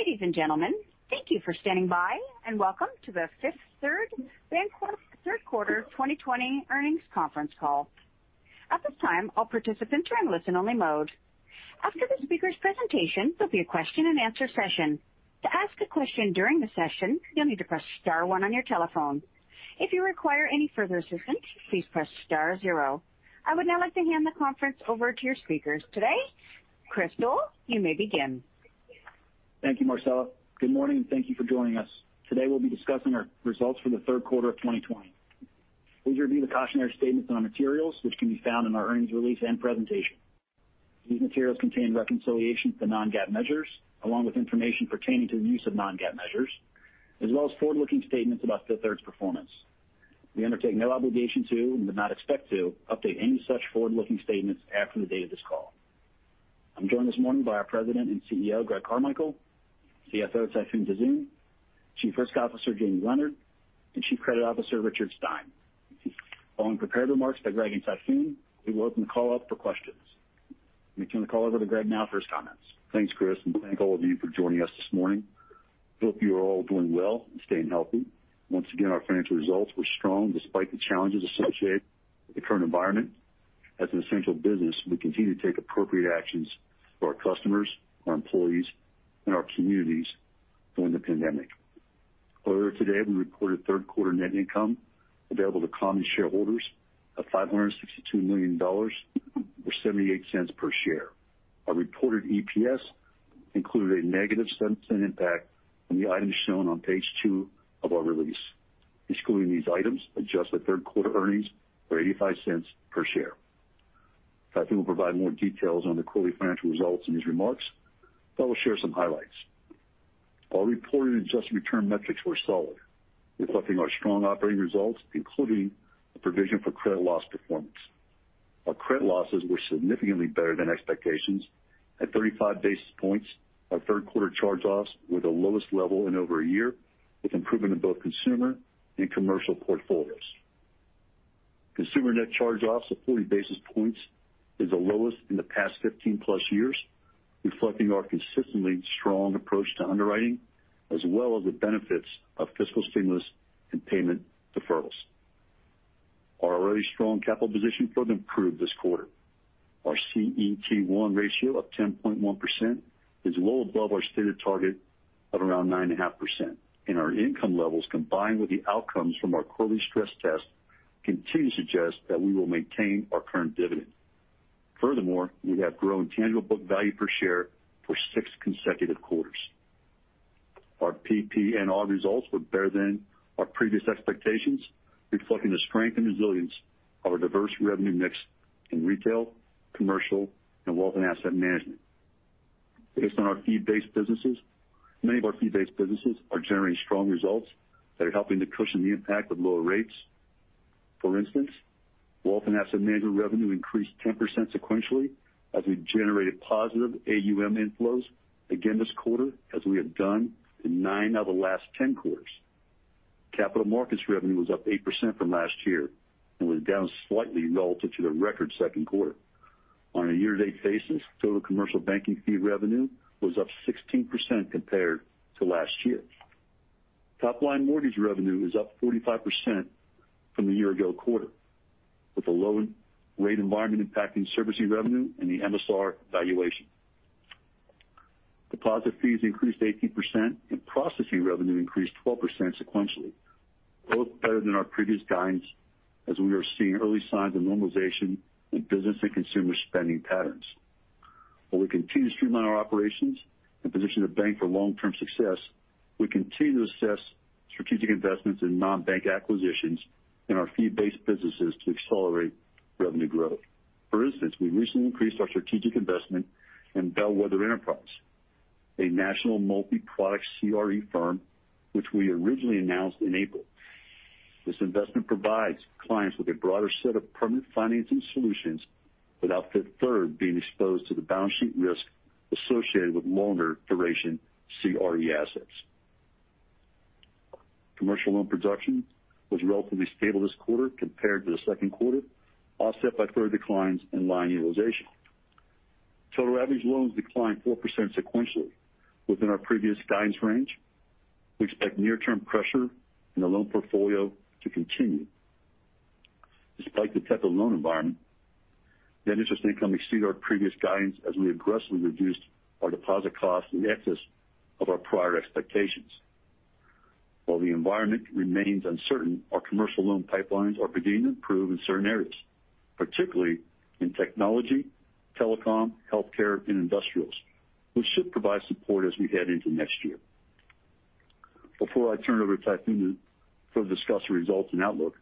Ladies and gentlemen, thank you for standing by and welcome to the Fifth Third Bancorp Third Quarter 2020 Earnings Conference Call. At this time, all participants are in listen-only mode. After the speaker's presentation, there'll be a question-and-answer session. To ask a question during the session, you'll need to press star one on your telephone. If you require any further assistance, please press star zero. I would now like to hand the conference over to your speakers today. Chris Doll, you may begin. Thank you, Marcella. Good morning and thank you for joining us. Today, we'll be discussing our results for the third quarter of 2020. Please review the cautionary statements on our materials, which can be found in our earnings release and presentation. These materials contain reconciliations to non-GAAP measures, along with information pertaining to the use of non-GAAP measures, as well as forward-looking statements about Fifth Third's performance. We undertake no obligation to, and do not expect to, update any such forward-looking statements after the date of this call. I'm joined this morning by our President and CEO, Greg Carmichael, CFO, Tayfun Tuzun, Chief Risk Officer, Jamie Leonard, and Chief Credit Officer, Richard Stein. Following prepared remarks by Greg and Tayfun, we will open the call up for questions. We turn the call over to Greg now for his comments. Thanks, Chris, and thank all of you for joining us this morning. Hope you are all doing well and staying healthy. Once again, our financial results were strong despite the challenges associated with the current environment. As an essential business, we continue to take appropriate actions for our customers, our employees, and our communities during the pandemic. Earlier today, we reported third quarter net income available to common shareholders of $562 million or $0.78 per share. Our reported EPS included a negative substantive impact on the items shown on page two of our release. Excluding these items, adjusted third quarter earnings were $0.85 per share. Tayfun will provide more details on the quarterly financial results in his remarks, but I will share some highlights. Our reported adjusted return metrics were solid, reflecting our strong operating results, including the provision for credit loss performance. Our credit losses were significantly better than expectations at 35 basis points. Our third quarter charge-offs were the lowest level in over a year, with improvement in both consumer and commercial portfolios. Consumer net charge-offs of 40 basis points is the lowest in the past 15-plus years, reflecting our consistently strong approach to underwriting, as well as the benefits of fiscal stimulus and payment deferrals. Our already strong capital position further improved this quarter. Our CET1 ratio of 10.1% is well above our stated target of around 9.5%, and our income levels, combined with the outcomes from our quarterly stress test, continue to suggest that we will maintain our current dividend. Furthermore, we have grown tangible book value per share for six consecutive quarters. Our PPNR results were better than our previous expectations, reflecting the strength and resilience of our diverse revenue mix in retail, commercial, and wealth and asset management. Based on our fee-based businesses, many of our fee-based businesses are generating strong results that are helping to cushion the impact of lower rates. For instance, wealth and asset management revenue increased 10% sequentially as we generated positive AUM inflows again this quarter, as we have done in nine out of the last 10 quarters. Capital markets revenue was up 8% from last year and was down slightly relative to the record second quarter. On a year-to-date basis, total commercial banking fee revenue was up 16% compared to last year. Top-line mortgage revenue is up 45% from the year-ago quarter, with a low rate environment impacting servicing revenue and the MSR valuation. Deposit fees increased 18%, and processing revenue increased 12% sequentially, both better than our previous guidance, as we are seeing early signs of normalization in business and consumer spending patterns. While we continue to streamline our operations and position the bank for long-term success, we continue to assess strategic investments in non-bank acquisitions in our fee-based businesses to accelerate revenue growth. For instance, we recently increased our strategic investment in Bellwether Enterprise, a national multi-product CRE firm which we originally announced in April. This investment provides clients with a broader set of permanent financing solutions without Fifth Third being exposed to the balance sheet risk associated with longer-duration CRE assets. Commercial loan production was relatively stable this quarter compared to the second quarter, offset by further declines in line utilization. Total average loans declined 4% sequentially within our previous guidance range. We expect near-term pressure in the loan portfolio to continue. Despite the tapered loan environment, net interest income exceeded our previous guidance as we aggressively reduced our deposit costs in excess of our prior expectations. While the environment remains uncertain, our commercial loan pipelines are beginning to improve in certain areas, particularly in technology, telecom, healthcare, and industrials, which should provide support as we head into next year. Before I turn it over to Tayfun to further discuss the results and outlook,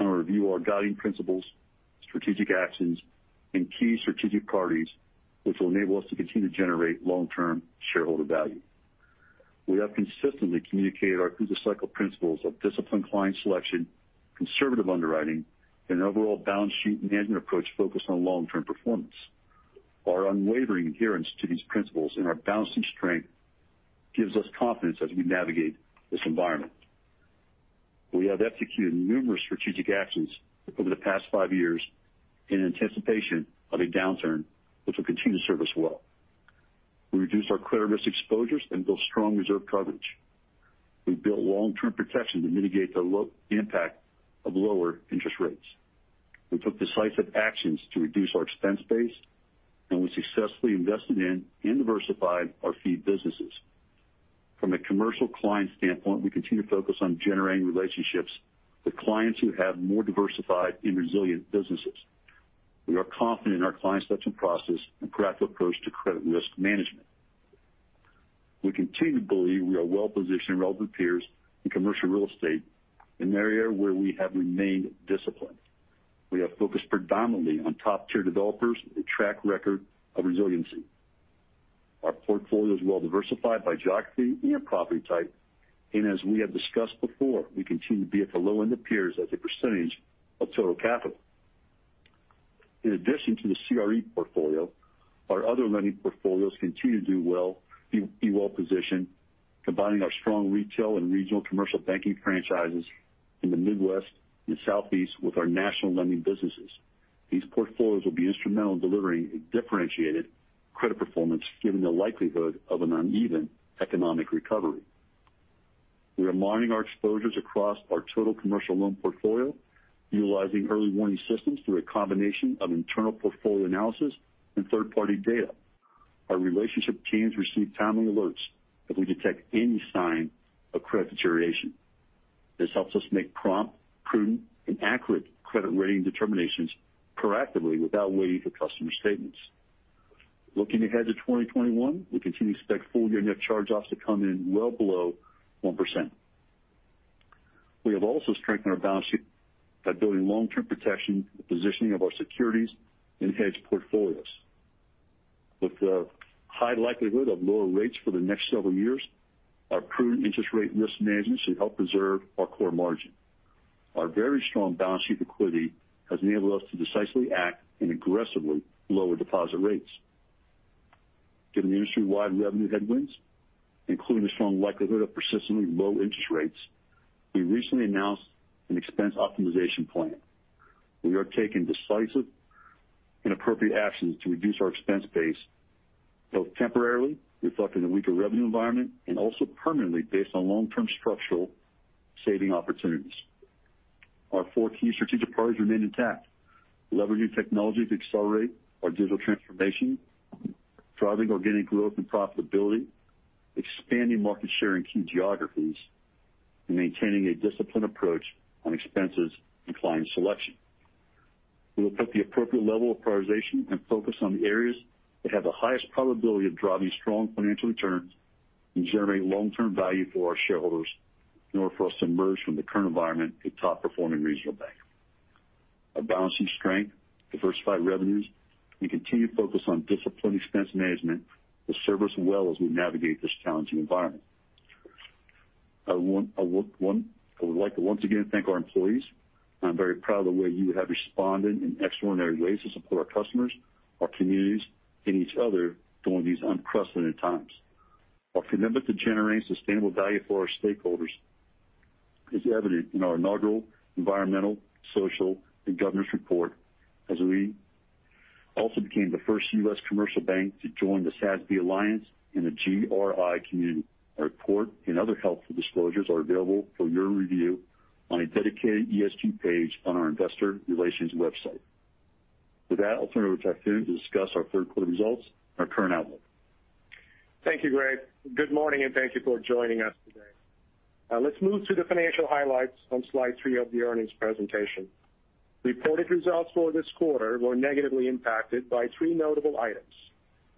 I'll review our guiding principles, strategic actions, and key strategic priorities, which will enable us to continue to generate long-term shareholder value. We have consistently communicated our through-the-cycle principles of disciplined client selection, conservative underwriting, and an overall balance sheet management approach focused on long-term performance. Our unwavering adherence to these principles and our balance sheet strength gives us confidence as we navigate this environment. We have executed numerous strategic actions over the past five years in anticipation of a downturn, which will continue to serve us well. We reduced our credit risk exposures and built strong reserve coverage. We built long-term protection to mitigate the impact of lower interest rates. We took decisive actions to reduce our expense base, and we successfully invested in and diversified our fee businesses. From a commercial client standpoint, we continue to focus on generating relationships with clients who have more diversified and resilient businesses. We are confident in our client selection process and proactive approach to credit risk management. We continue to believe we are well-positioned with relevant peers in commercial real estate in an area where we have remained disciplined. We have focused predominantly on top-tier developers with a track record of resiliency. Our portfolio is well-diversified by geography and property type, and as we have discussed before, we continue to be at the low end of peers as a percentage of total capital. In addition to the CRE portfolio, our other lending portfolios continue to do well, be well-positioned, combining our strong retail and regional commercial banking franchises in the Midwest and Southeast with our national lending businesses. These portfolios will be instrumental in delivering a differentiated credit performance, given the likelihood of an uneven economic recovery. We are monitoring our exposures across our total commercial loan portfolio, utilizing early warning systems through a combination of internal portfolio analysis and third-party data. Our relationship teams receive timely alerts if we detect any sign of credit deterioration. This helps us make prompt, prudent, and accurate credit rating determinations proactively without waiting for customer statements. Looking ahead to 2021, we continue to expect full-year net charge-offs to come in well below 1%. We have also strengthened our balance sheet by building long-term protection with positioning of our securities in hedge portfolios. With the high likelihood of lower rates for the next several years, our prudent interest rate risk management should help preserve our core margin. Our very strong balance sheet liquidity has enabled us to decisively act and aggressively lower deposit rates. Given the industry-wide revenue headwinds, including the strong likelihood of persistently low interest rates, we recently announced an expense optimization plan. We are taking decisive and appropriate actions to reduce our expense base, both temporarily, reflecting a weaker revenue environment, and also permanently based on long-term structural saving opportunities. Our four key strategic priorities remain intact: leveraging technology to accelerate our digital transformation, driving organic growth and profitability, expanding market share in key geographies, and maintaining a disciplined approach on expenses and client selection. We will put the appropriate level of prioritization and focus on the areas that have the highest probability of driving strong financial returns and generating long-term value for our shareholders in order for us to emerge from the current environment a top-performing regional bank. Our balancing strength, diversified revenues, and continued focus on disciplined expense management will serve us well as we navigate this challenging environment. I would like to once again thank our employees. I'm very proud of the way you have responded in extraordinary ways to support our customers, our communities, and each other during these unprecedented times. Our commitment to generating sustainable value for our stakeholders is evident in our inaugural environmental, social, and governance report, as we also became the first U.S. commercial bank to join the SASB Alliance and the GRI Community. Our report and other helpful disclosures are available for your review on a dedicated ESG page on our investor relations website. With that, I'll turn it over to Tayfun to discuss our third quarter results and our current outlook. Thank you, Greg. Good morning and thank you for joining us today. Let's move to the financial highlights on slide three of the earnings presentation. Reported results for this quarter were negatively impacted by three notable items: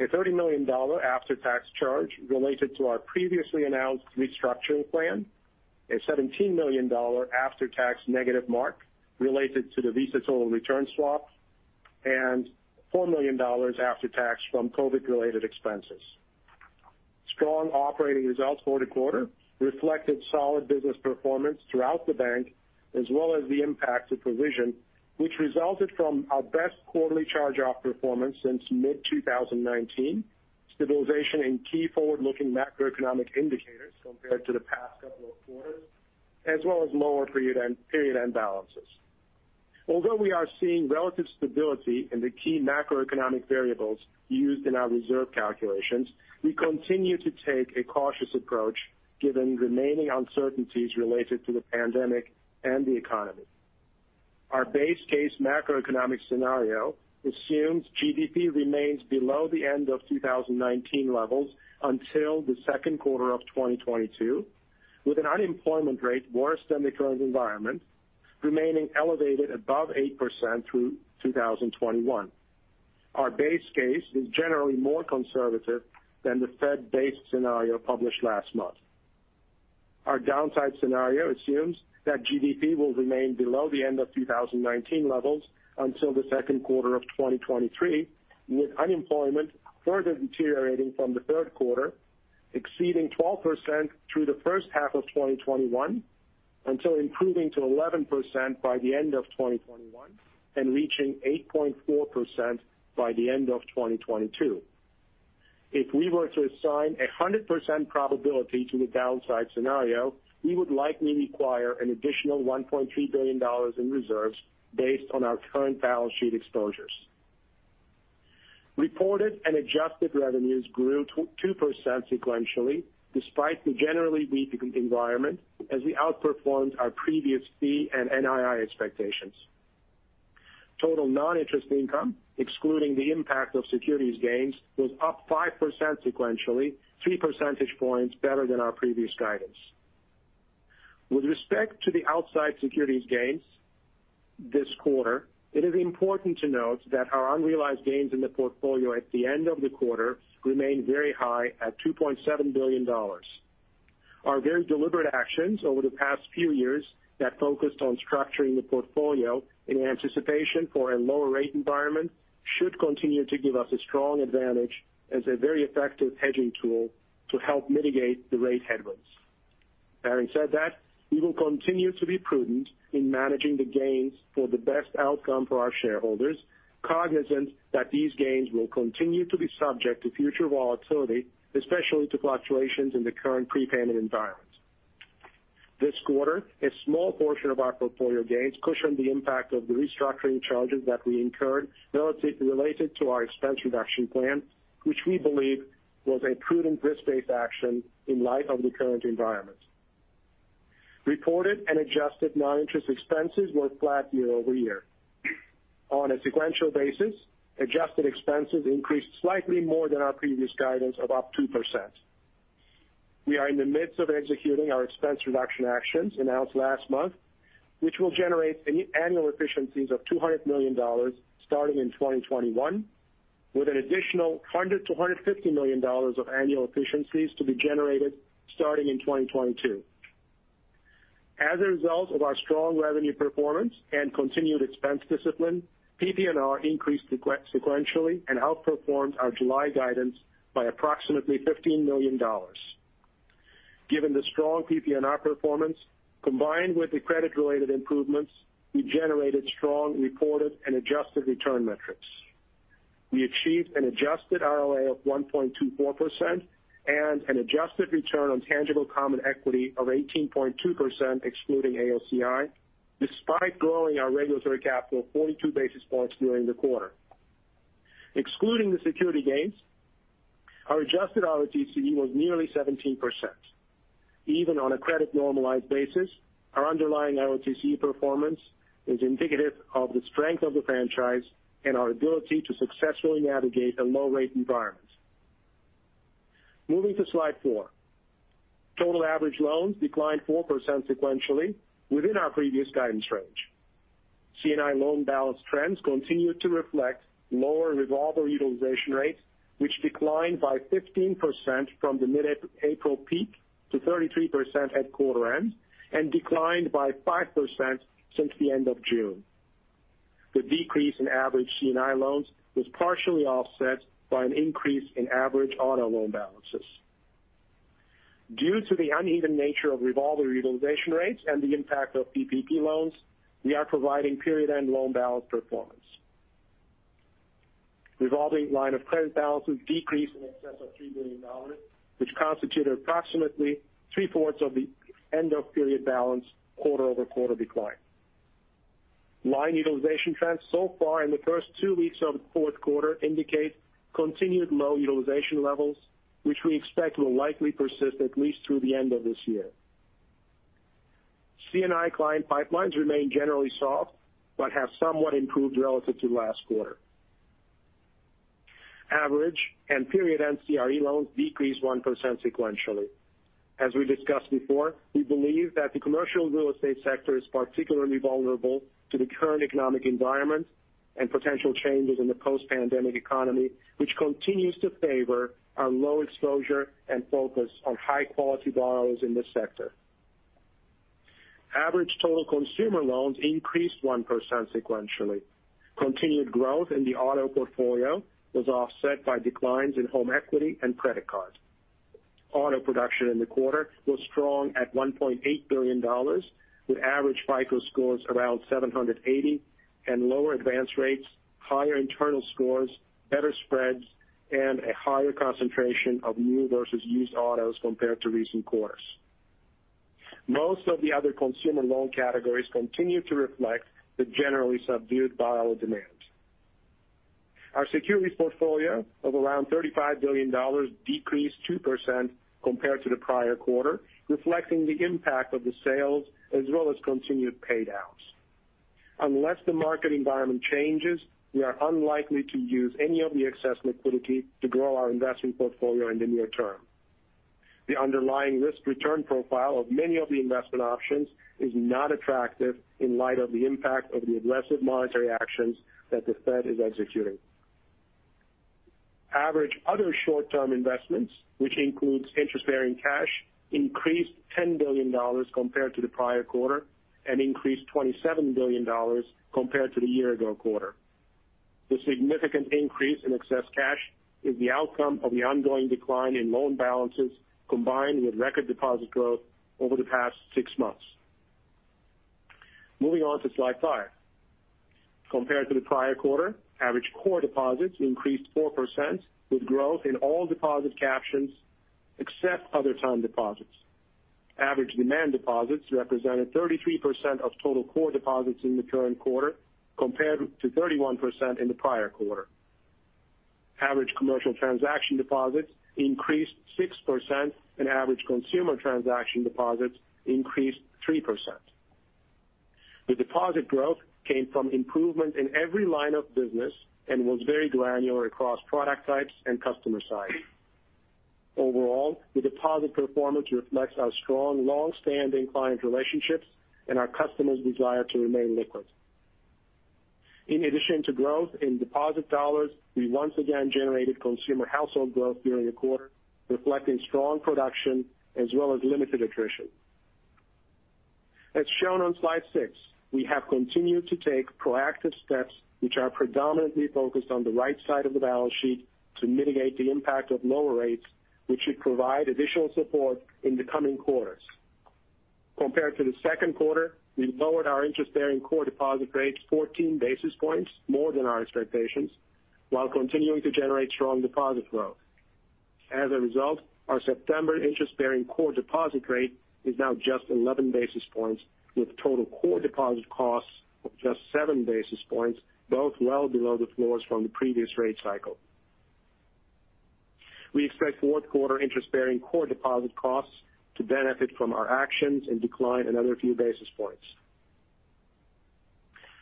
a $30 million after-tax charge related to our previously announced restructuring plan, a $17 million after-tax negative mark related to the Visa total return swap, and $4 million after-tax from COVID-related expenses. Strong operating results for the quarter reflected solid business performance throughout the bank, as well as the impact of provision, which resulted from our best quarterly charge-off performance since mid-2019, stabilization in key forward-looking macroeconomic indicators compared to the past couple of quarters, as well as lower period end balances. Although we are seeing relative stability in the key macroeconomic variables used in our reserve calculations, we continue to take a cautious approach given remaining uncertainties related to the pandemic and the economy. Our base case macroeconomic scenario assumes GDP remains below the end-of-2019 levels until the second quarter of 2022, with an unemployment rate worse than the current environment remaining elevated above 8% through 2021. Our base case is generally more conservative than the Fed-based scenario published last month. Our downside scenario assumes that GDP will remain below the end-of-2019 levels until the second quarter of 2023, with unemployment further deteriorating from the third quarter, exceeding 12% through the first half of 2021, until improving to 11% by the end of 2021 and reaching 8.4% by the end of 2022. If we were to assign a 100% probability to the downside scenario, we would likely require an additional $1.3 billion in reserves based on our current balance sheet exposures. Reported and adjusted revenues grew 2% sequentially despite the generally weak environment, as we outperformed our previous fee and NII expectations. Total non-interest income, excluding the impact of securities gains, was up 5% sequentially, 3 percentage points better than our previous guidance. With respect to the outsized securities gains this quarter, it is important to note that our unrealized gains in the portfolio at the end of the quarter remain very high at $2.7 billion. Our very deliberate actions over the past few years that focused on structuring the portfolio in anticipation for a lower rate environment should continue to give us a strong advantage as a very effective hedging tool to help mitigate the rate headwinds. Having said that, we will continue to be prudent in managing the gains for the best outcome for our shareholders, cognizant that these gains will continue to be subject to future volatility, especially to fluctuations in the current prepayment environment. This quarter, a small portion of our portfolio gains cushioned the impact of the restructuring charges that we incurred related to our expense reduction plan, which we believe was a prudent risk-based action in light of the current environment. Reported and adjusted non-interest expenses were flat year-over-year. On a sequential basis, adjusted expenses increased slightly more than our previous guidance of up 2%. We are in the midst of executing our expense reduction actions announced last month, which will generate annual efficiencies of $200 million starting in 2021, with an additional $100-$150 million of annual efficiencies to be generated starting in 2022. As a result of our strong revenue performance and continued expense discipline, PP&R increased sequentially and outperformed our July guidance by approximately $15 million. Given the strong PP&R performance, combined with the credit-related improvements, we generated strong reported and adjusted return metrics. We achieved an adjusted ROA of 1.24% and an adjusted return on tangible common equity of 18.2%, excluding AOCI, despite growing our regulatory capital 42 basis points during the quarter. Excluding the security gains, our adjusted ROTCE was nearly 17%. Even on a credit-normalized basis, our underlying ROTCE performance is indicative of the strength of the franchise and our ability to successfully navigate a low-rate environment. Moving to slide four, total average loans declined 4% sequentially within our previous guidance range. C&I loan balance trends continue to reflect lower revolver utilization rates, which declined by 15% from the mid-April peak to 33% quarter end and declined by 5% since the end of June. The decrease in average C&I loans was partially offset by an increase in average auto loan balances. Due to the uneven nature of revolver utilization rates and the impact of PPP loans, we are providing period-end loan balance performance. Revolving line of credit balances decreased in excess of $3 billion, which constituted approximately three-fourths of the end-of-period balance quarter-over-quarter decline. Line utilization trends so far in the first two weeks of the fourth quarter indicate continued low utilization levels, which we expect will likely persist at least through the end of this year. C&I client pipelines remain generally soft but have somewhat improved relative to last quarter. Average and period-end CRE loans decreased 1% sequentially. As we discussed before, we believe that the commercial real estate sector is particularly vulnerable to the current economic environment and potential changes in the post-pandemic economy, which continues to favor our low exposure and focus on high-quality borrowers in this sector. Average total consumer loans increased 1% sequentially. Continued growth in the auto portfolio was offset by declines in home equity and credit cards. Auto production in the quarter was strong at $1.8 billion, with average FICO scores around 780 and lower advance rates, higher internal scores, better spreads, and a higher concentration of new versus used autos compared to recent quarters. Most of the other consumer loan categories continue to reflect the generally subdued borrower demand. Our securities portfolio of around $35 billion decreased 2% compared to the prior quarter, reflecting the impact of the sales as well as continued paydowns. Unless the market environment changes, we are unlikely to use any of the excess liquidity to grow our investment portfolio in the near term. The underlying risk-return profile of many of the investment options is not attractive in light of the impact of the aggressive monetary actions that the Fed is executing. Average other short-term investments, which includes interest-bearing cash, increased $10 billion compared to the prior quarter and increased $27 billion compared to the year-ago quarter. The significant increase in excess cash is the outcome of the ongoing decline in loan balances combined with record deposit growth over the past six months. Moving on to slide five. Compared to the prior quarter, average core deposits increased 4%, with growth in all deposit captions except other time deposits. Average demand deposits represented 33% of total core deposits in the current quarter compared to 31% in the prior quarter. Average commercial transaction deposits increased 6%, and average consumer transaction deposits increased 3%. The deposit growth came from improvement in every line of business and was very granular across product types and customer size. Overall, the deposit performance reflects our strong, long-standing client relationships and our customers' desire to remain liquid. In addition to growth in deposit dollars, we once again generated consumer household growth during the quarter, reflecting strong production as well as limited attrition. As shown on slide six, we have continued to take proactive steps, which are predominantly focused on the right side of the balance sheet to mitigate the impact of lower rates, which should provide additional support in the coming quarters. Compared to the second quarter, we lowered our interest-bearing core deposit rates 14 basis points more than our expectations, while continuing to generate strong deposit growth. As a result, our September interest-bearing core deposit rate is now just 11 basis points, with total core deposit costs of just 7 basis points, both well below the floors from the previous rate cycle. We expect fourth quarter interest-bearing core deposit costs to benefit from our actions and decline another few basis points.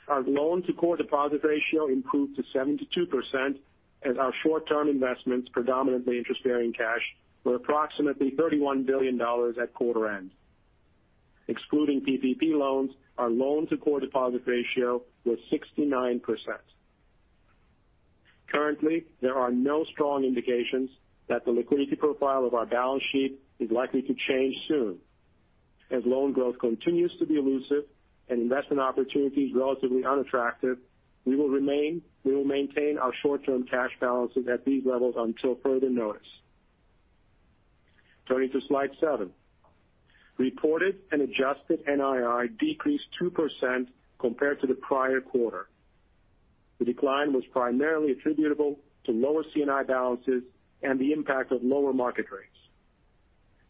Our loan-to-core deposit ratio improved to 72%, as our short-term investments, predominantly interest-bearing cash, were approximately $31 billion at quarter end. Excluding PPP loans, our loan-to-core deposit ratio was 69%. Currently, there are no strong indications that the liquidity profile of our balance sheet is likely to change soon. As loan growth continues to be elusive and investment opportunities relatively unattractive, we will maintain our short-term cash balances at these levels until further notice. Turning to slide seven, reported and adjusted NII decreased 2% compared to the prior quarter. The decline was primarily attributable to lower C&I balances and the impact of lower market rates.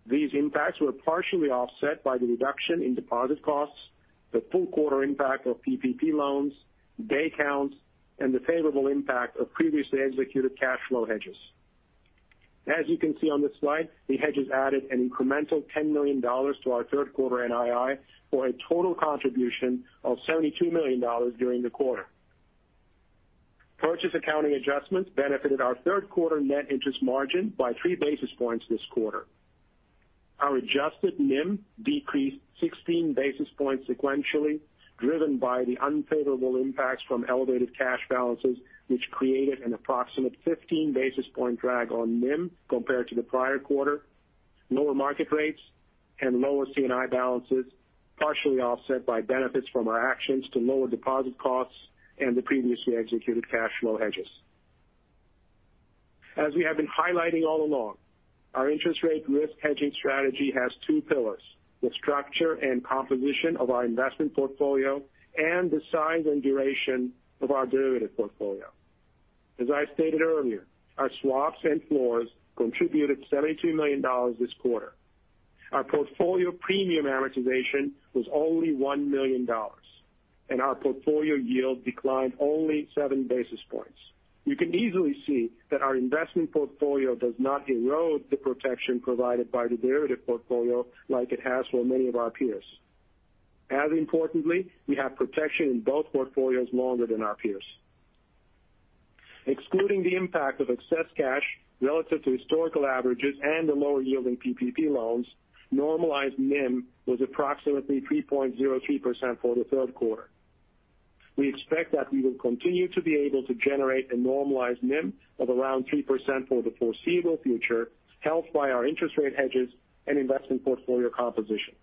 These impacts were partially offset by the reduction in deposit costs, the full quarter impact of PPP loans, day counts, and the favorable impact of previously executed cash flow hedges. As you can see on this slide, the hedges added an incremental $10 million to our third quarter NII for a total contribution of $72 million during the quarter. Purchase accounting adjustments benefited our third quarter net interest margin by three basis points this quarter. Our adjusted NIM decreased 16 basis points sequentially, driven by the unfavorable impacts from elevated cash balances, which created an approximate 15 basis point drag on NIM compared to the prior quarter. Lower market rates and lower C&I balances partially offset by benefits from our actions to lower deposit costs and the previously executed cash flow hedges. As we have been highlighting all along, our interest rate risk hedging strategy has two pillars: the structure and composition of our investment portfolio and the size and duration of our derivative portfolio. As I stated earlier, our swaps and floors contributed $72 million this quarter. Our portfolio premium amortization was only $1 million, and our portfolio yield declined only 7 basis points. You can easily see that our investment portfolio does not erode the protection provided by the derivative portfolio like it has for many of our peers. As importantly, we have protection in both portfolios longer than our peers. Excluding the impact of excess cash relative to historical averages and the lower-yielding PPP loans, normalized NIM was approximately 3.03% for the third quarter. We expect that we will continue to be able to generate a normalized NIM of around 3% for the foreseeable future, helped by our interest rate hedges and investment portfolio composition.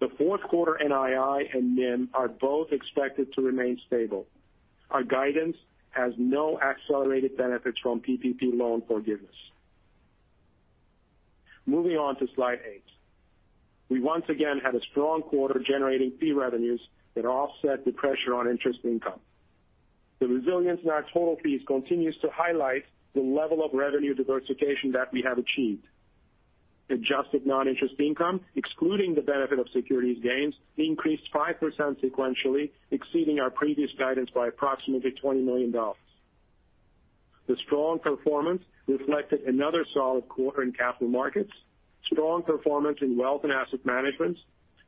The fourth quarter NII and NIM are both expected to remain stable. Our guidance has no accelerated benefits from PPP loan forgiveness. Moving on to slide eight, we once again had a strong quarter generating fee revenues that offset the pressure on interest income. The resilience in our total fees continues to highlight the level of revenue diversification that we have achieved. Adjusted non-interest income, excluding the benefit of securities gains, increased 5% sequentially, exceeding our previous guidance by approximately $20 million. The strong performance reflected another solid quarter in capital markets, strong performance in wealth and asset management,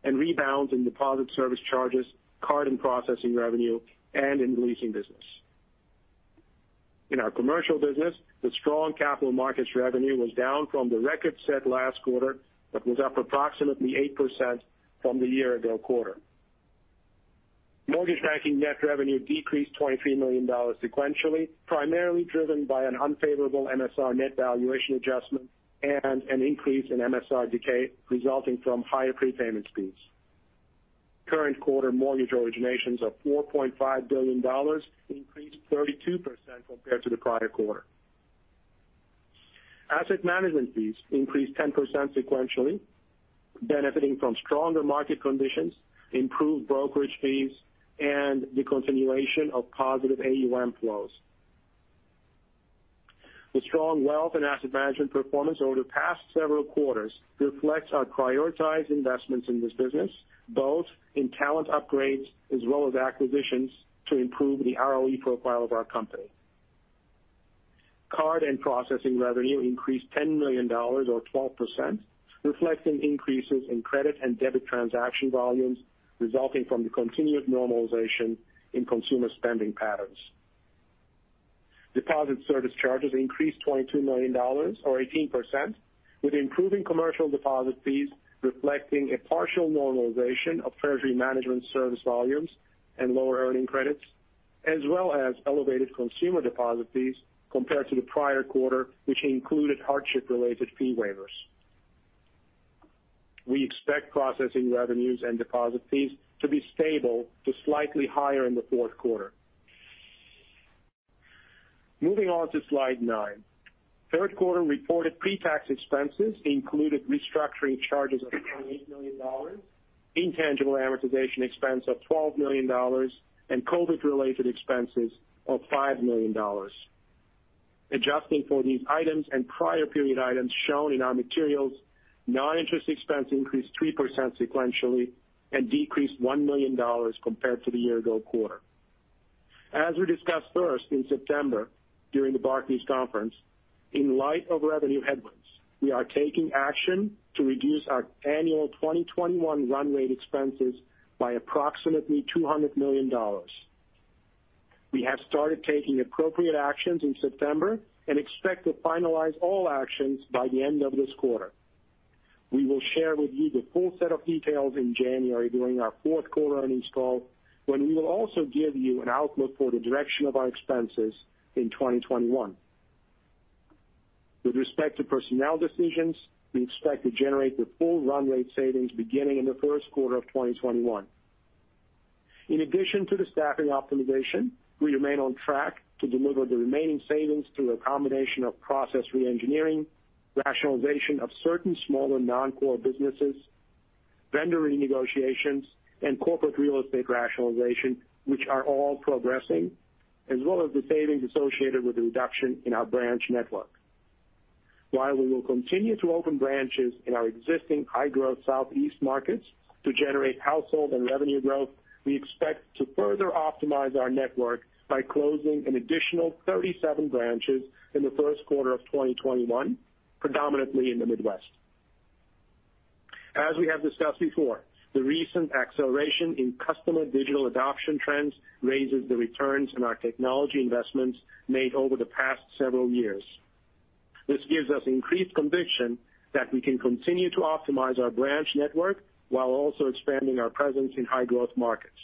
and rebounds in deposit service charges, card and processing revenue, and in leasing business. In our commercial business, the strong capital markets revenue was down from the record set last quarter but was up approximately 8% from the year-ago quarter. Mortgage banking net revenue decreased $23 million sequentially, primarily driven by an unfavorable MSR net valuation adjustment and an increase in MSR decay resulting from higher prepayment fees. Current quarter mortgage originations of $4.5 billion increased 32% compared to the prior quarter. Asset management fees increased 10% sequentially, benefiting from stronger market conditions, improved brokerage fees, and the continuation of positive AUM flows. The strong wealth and asset management performance over the past several quarters reflects our prioritized investments in this business, both in talent upgrades as well as acquisitions to improve the ROE profile of our company. Card and processing revenue increased $10 million or 12%, reflecting increases in credit and debit transaction volumes resulting from the continued normalization in consumer spending patterns. Deposit service charges increased $22 million or 18%, with improving commercial deposit fees reflecting a partial normalization of treasury management service volumes and lower earning credits, as well as elevated consumer deposit fees compared to the prior quarter, which included hardship-related fee waivers. We expect processing revenues and deposit fees to be stable to slightly higher in the fourth quarter. Moving on to slide nine, third quarter reported pre-tax expenses included restructuring charges of $28 million, intangible amortization expense of $12 million, and COVID-related expenses of $5 million. Adjusting for these items and prior period items shown in our materials, non-interest expense increased 3% sequentially and decreased $1 million compared to the year-ago quarter. As we discussed first in September during the Barclays Conference, in light of revenue headwinds, we are taking action to reduce our annual 2021 run rate expenses by approximately $200 million. We have started taking appropriate actions in September and expect to finalize all actions by the end of this quarter. We will share with you the full set of details in January during our fourth quarter earnings call, when we will also give you an outlook for the direction of our expenses in 2021. With respect to personnel decisions, we expect to generate the full run rate savings beginning in the first quarter of 2021. In addition to the staffing optimization, we remain on track to deliver the remaining savings through a combination of process reengineering, rationalization of certain smaller non-core businesses, vendor renegotiations, and corporate real estate rationalization, which are all progressing, as well as the savings associated with the reduction in our branch network. While we will continue to open branches in our existing high-growth Southeast markets to generate household and revenue growth, we expect to further optimize our network by closing an additional 37 branches in the first quarter of 2021, predominantly in the Midwest. As we have discussed before, the recent acceleration in customer digital adoption trends raises the returns in our technology investments made over the past several years. This gives us increased conviction that we can continue to optimize our branch network while also expanding our presence in high-growth markets.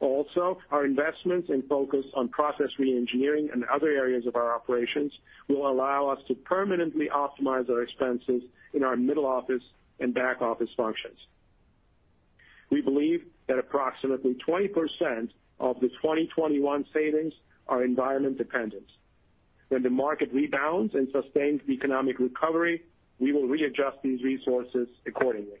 Also, our investments and focus on process reengineering and other areas of our operations will allow us to permanently optimize our expenses in our middle office and back office functions. We believe that approximately 20% of the 2021 savings are environment-dependent. When the market rebounds and sustains the economic recovery, we will readjust these resources accordingly.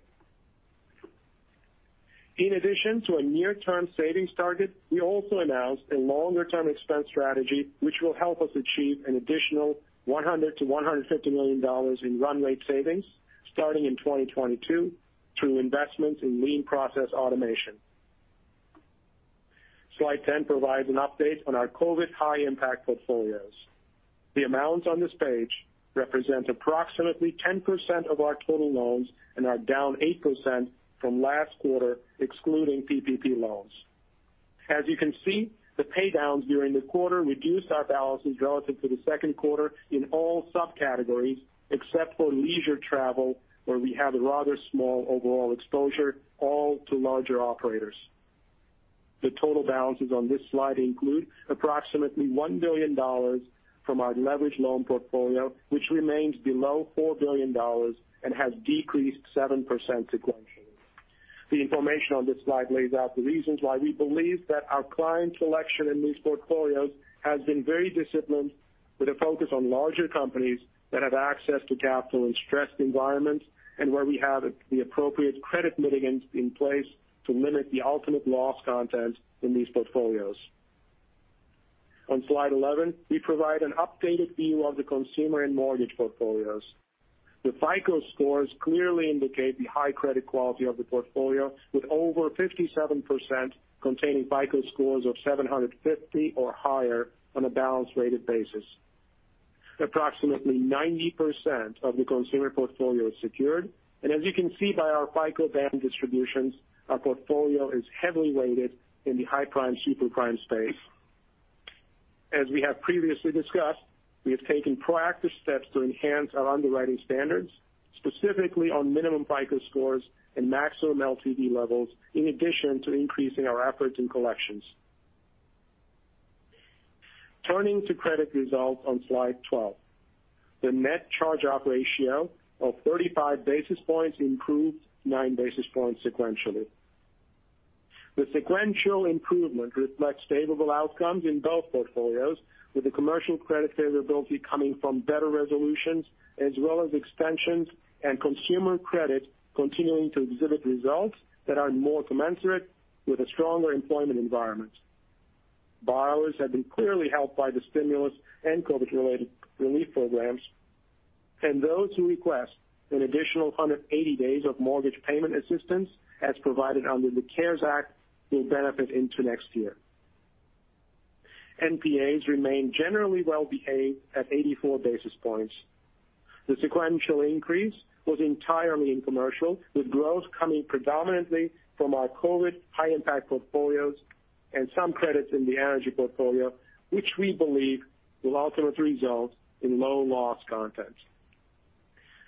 In addition to a near-term savings target, we also announced a longer-term expense strategy, which will help us achieve an additional $100-$150 million in run rate savings starting in 2022 through investments in lean process automation. Slide 10 provides an update on our COVID high-impact portfolios. The amounts on this page represent approximately 10% of our total loans and are down 8% from last quarter, excluding PPP loans. As you can see, the paydowns during the quarter reduced our balances relative to the second quarter in all subcategories except for leisure travel, where we have a rather small overall exposure, all to larger operators. The total balances on this slide include approximately $1 billion from our leveraged loan portfolio, which remains below $4 billion and has decreased 7% sequentially. The information on this slide lays out the reasons why we believe that our client selection in these portfolios has been very disciplined, with a focus on larger companies that have access to capital in stressed environments and where we have the appropriate credit mitigants in place to limit the ultimate loss content in these portfolios. On slide 11, we provide an updated view of the consumer and mortgage portfolios. The FICO scores clearly indicate the high credit quality of the portfolio, with over 57% containing FICO scores of 750 or higher on a balance-rated basis. Approximately 90% of the consumer portfolio is secured, and as you can see by our FICO band distributions, our portfolio is heavily weighted in the high prime/super prime space. As we have previously discussed, we have taken proactive steps to enhance our underwriting standards, specifically on minimum FICO scores and maximum LTV levels, in addition to increasing our efforts in collections. Turning to credit results on slide 12, the net charge-off ratio of 35 basis points improved nine basis points sequentially. The sequential improvement reflects favorable outcomes in both portfolios, with the commercial credit favorability coming from better resolutions, as well as extensions and consumer credit continuing to exhibit results that are more commensurate with a stronger employment environment. Borrowers have been clearly helped by the stimulus and COVID-related relief programs, and those who request an additional 180 days of mortgage payment assistance as provided under the CARES Act will benefit into next year. NPAs remain generally well-behaved at 84 basis points. The sequential increase was entirely in commercial, with growth coming predominantly from our COVID high-impact portfolios and some credits in the energy portfolio, which we believe will ultimately result in low loss content.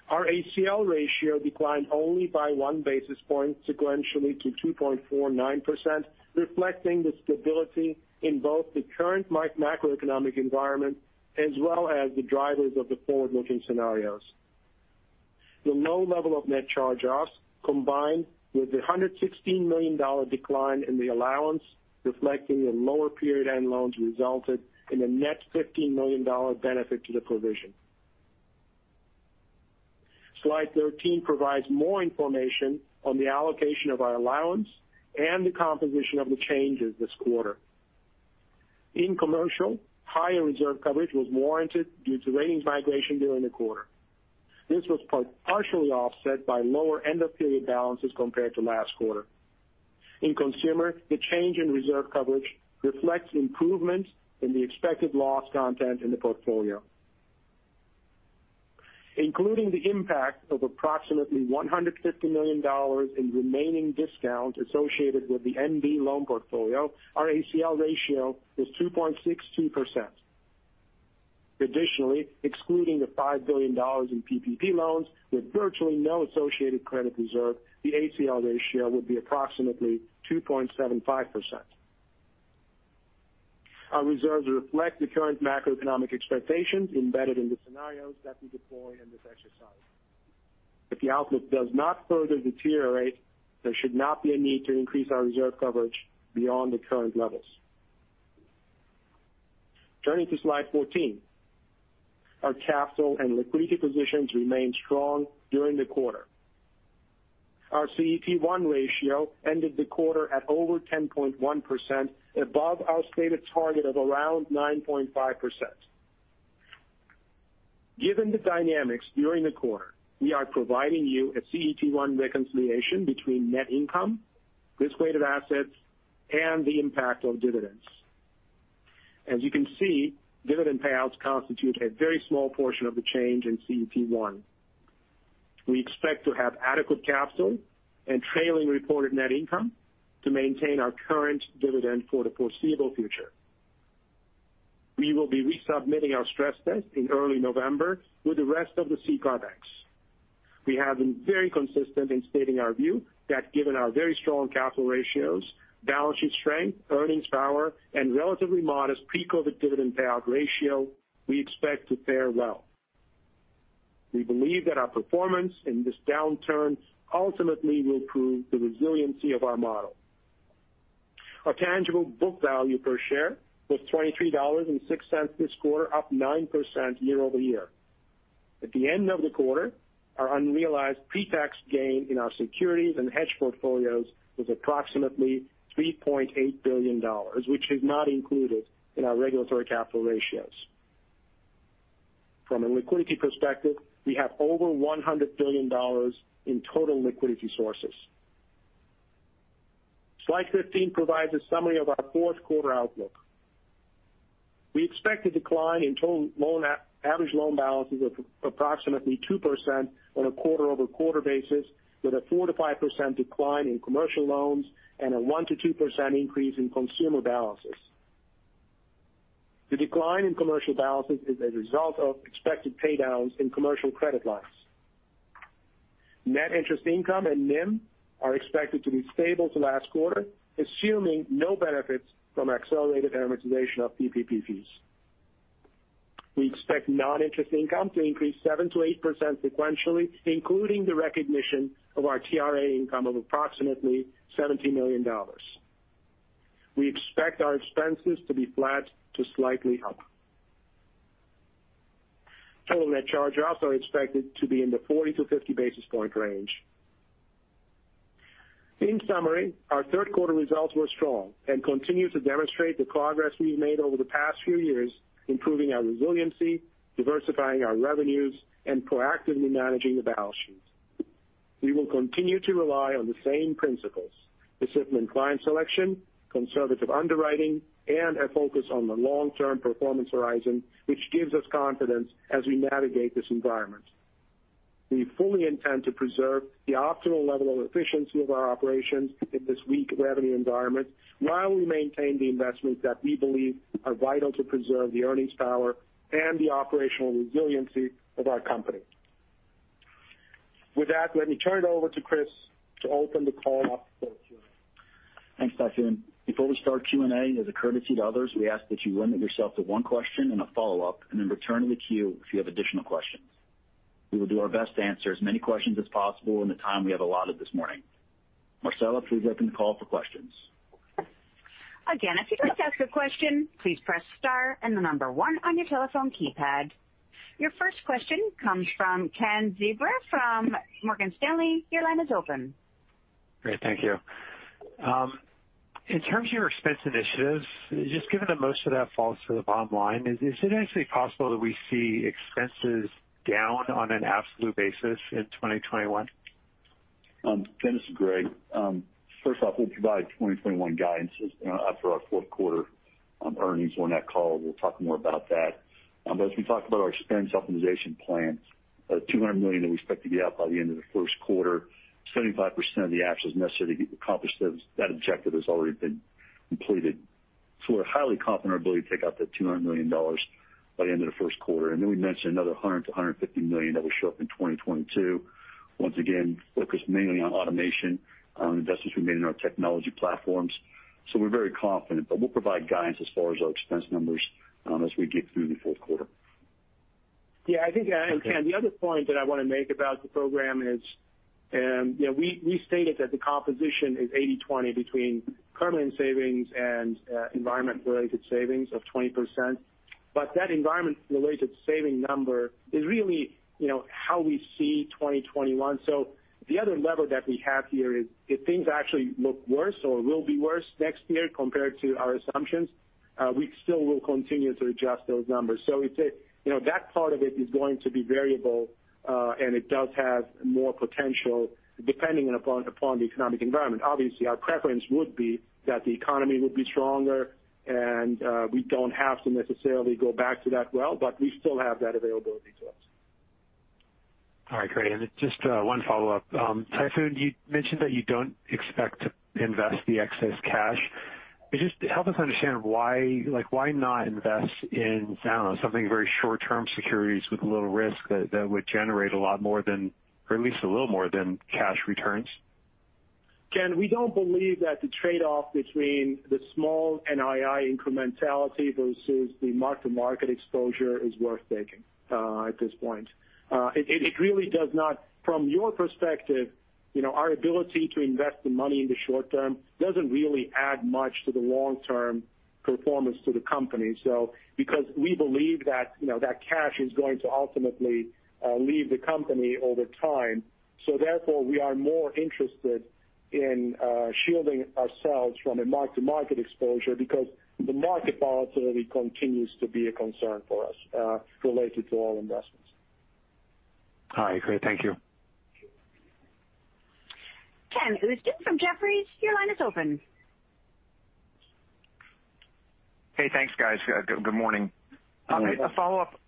Our ACL ratio declined only by one basis point sequentially to 2.49%, reflecting the stability in both the current macroeconomic environment as well as the drivers of the forward-looking scenarios. The low level of net charge-offs combined with the $116 million decline in the allowance, reflecting the lower period end loans, resulted in a net $15 million benefit to the provision. Slide 13 provides more information on the allocation of our allowance and the composition of the changes this quarter. In commercial, higher reserve coverage was warranted due to ratings migration during the quarter. This was partially offset by lower end-of-period balances compared to last quarter. In consumer, the change in reserve coverage reflects improvements in the expected loss content in the portfolio. Including the impact of approximately $150 million in remaining discount associated with the MB loan portfolio, our ACL ratio was 2.62%. Additionally, excluding the $5 billion in PPP loans with virtually no associated credit reserve, the ACL ratio would be approximately 2.75%. Our reserves reflect the current macroeconomic expectations embedded in the scenarios that we deploy in this exercise. If the outlook does not further deteriorate, there should not be a need to increase our reserve coverage beyond the current levels. Turning to slide 14, our capital and liquidity positions remained strong during the quarter. Our CET1 ratio ended the quarter at over 10.1%, above our stated target of around 9.5%. Given the dynamics during the quarter, we are providing you a CET1 reconciliation between net income, risk-weighted assets, and the impact of dividends. As you can see, dividend payouts constitute a very small portion of the change in CET1. We expect to have adequate capital and trailing reported net income to maintain our current dividend for the foreseeable future. We will be resubmitting our stress test in early November with the rest of the CCAR banks. We have been very consistent in stating our view that given our very strong capital ratios, balance sheet strength, earnings power, and relatively modest pre-COVID dividend payout ratio, we expect to fare well. We believe that our performance in this downturn ultimately will prove the resiliency of our model. Our tangible book value per share was $23.06 this quarter, up 9% year-over-year. At the end of the quarter, our unrealized pre-tax gain in our securities and hedge portfolios was approximately $3.8 billion, which is not included in our regulatory capital ratios. From a liquidity perspective, we have over $100 billion in total liquidity sources. Slide 15 provides a summary of our fourth quarter outlook. We expect a decline in total loan average loan balances of approximately 2% on a quarter-over-quarter basis, with a 4%-5% decline in commercial loans and a 1%-2% increase in consumer balances. The decline in commercial balances is a result of expected paydowns in commercial credit lines. Net interest income and NIM are expected to be stable to last quarter, assuming no benefits from accelerated amortization of PPP fees. We expect non-interest income to increase 7%-8% sequentially, including the recognition of our TRA income of approximately $17 million. We expect our expenses to be flat to slightly up. Total net charge-offs are expected to be in the 40-50 basis point range. In summary, our third quarter results were strong and continue to demonstrate the progress we've made over the past few years, improving our resiliency, diversifying our revenues, and proactively managing the balance sheet. We will continue to rely on the same principles: disciplined client selection, conservative underwriting, and a focus on the long-term performance horizon, which gives us confidence as we navigate this environment. We fully intend to preserve the optimal level of efficiency of our operations in this weak revenue environment while we maintain the investments that we believe are vital to preserve the earnings power and the operational resiliency of our company. With that, let me turn it over to Chris to open the Q&A portion. Thanks, Tayfun. Before we start Q&A, as a courtesy to others, we ask that you limit yourself to one question and a follow-up, and then return to the queue if you have additional questions. We will do our best to answer as many questions as possible in the time we have allotted this morning. Marcella, please open the call for questions. Again, if you'd like to ask a question, please press star and the number one on your telephone keypad. Your first question comes from Ken Zerbe from Morgan Stanley. Your line is open. Great. Thank you. In terms of your expense initiatives, just given that most of that falls to the bottom line, is it actually possible that we see expenses down on an absolute basis in 2021? Ken, this is Greg, first off, we'll provide 2021 guidance for our fourth quarter earnings on that call. We'll talk more about that. But as we talk about our expense optimization plan, the $200 million that we expect to get out by the end of the first quarter, 75% of the actions necessary to accomplish that objective has already been completed. So we're highly confident in our ability to take out that $200 million by the end of the first quarter. And then we mentioned another $100-$150 million that will show up in 2022. Once again, focus mainly on automation investments we made in our technology platforms. So we're very confident, but we'll provide guidance as far as our expense numbers as we get through the fourth quarter. Yeah. I think, Ken, the other point that I want to make about the program is we stated that the composition is 80%/20% between permanent savings and environment-related savings of 20%. But that environment-related saving number is really how we see 2021. So the other lever that we have here is if things actually look worse or will be worse next year compared to our assumptions, we still will continue to adjust those numbers. So that part of it is going to be variable, and it does have more potential depending upon the economic environment. Obviously, our preference would be that the economy would be stronger, and we don't have to necessarily go back to that well, but we still have that availability to us. All right. Great. And just one follow-up. Tayfun, you mentioned that you don't expect to invest the excess cash. Just help us understand why not invest in something very short-term securities with little risk that would generate a lot more than, or at least a little more than, cash returns? Ken, we don't believe that the trade-off between the small NII incrementality versus the mark-to-market exposure is worth taking at this point. It really does not, from your perspective, our ability to invest the money in the short term doesn't really add much to the long-term performance to the company. So because we believe that that cash is going to ultimately leave the company over time, so therefore we are more interested in shielding ourselves from a mark-to-market exposure because the market volatility continues to be a concern for us related to all investments. All right. Great. Thank you. Ken Usdin from Jefferies. Your line is open. Hey. Thanks, guys. Good morning. A follow-up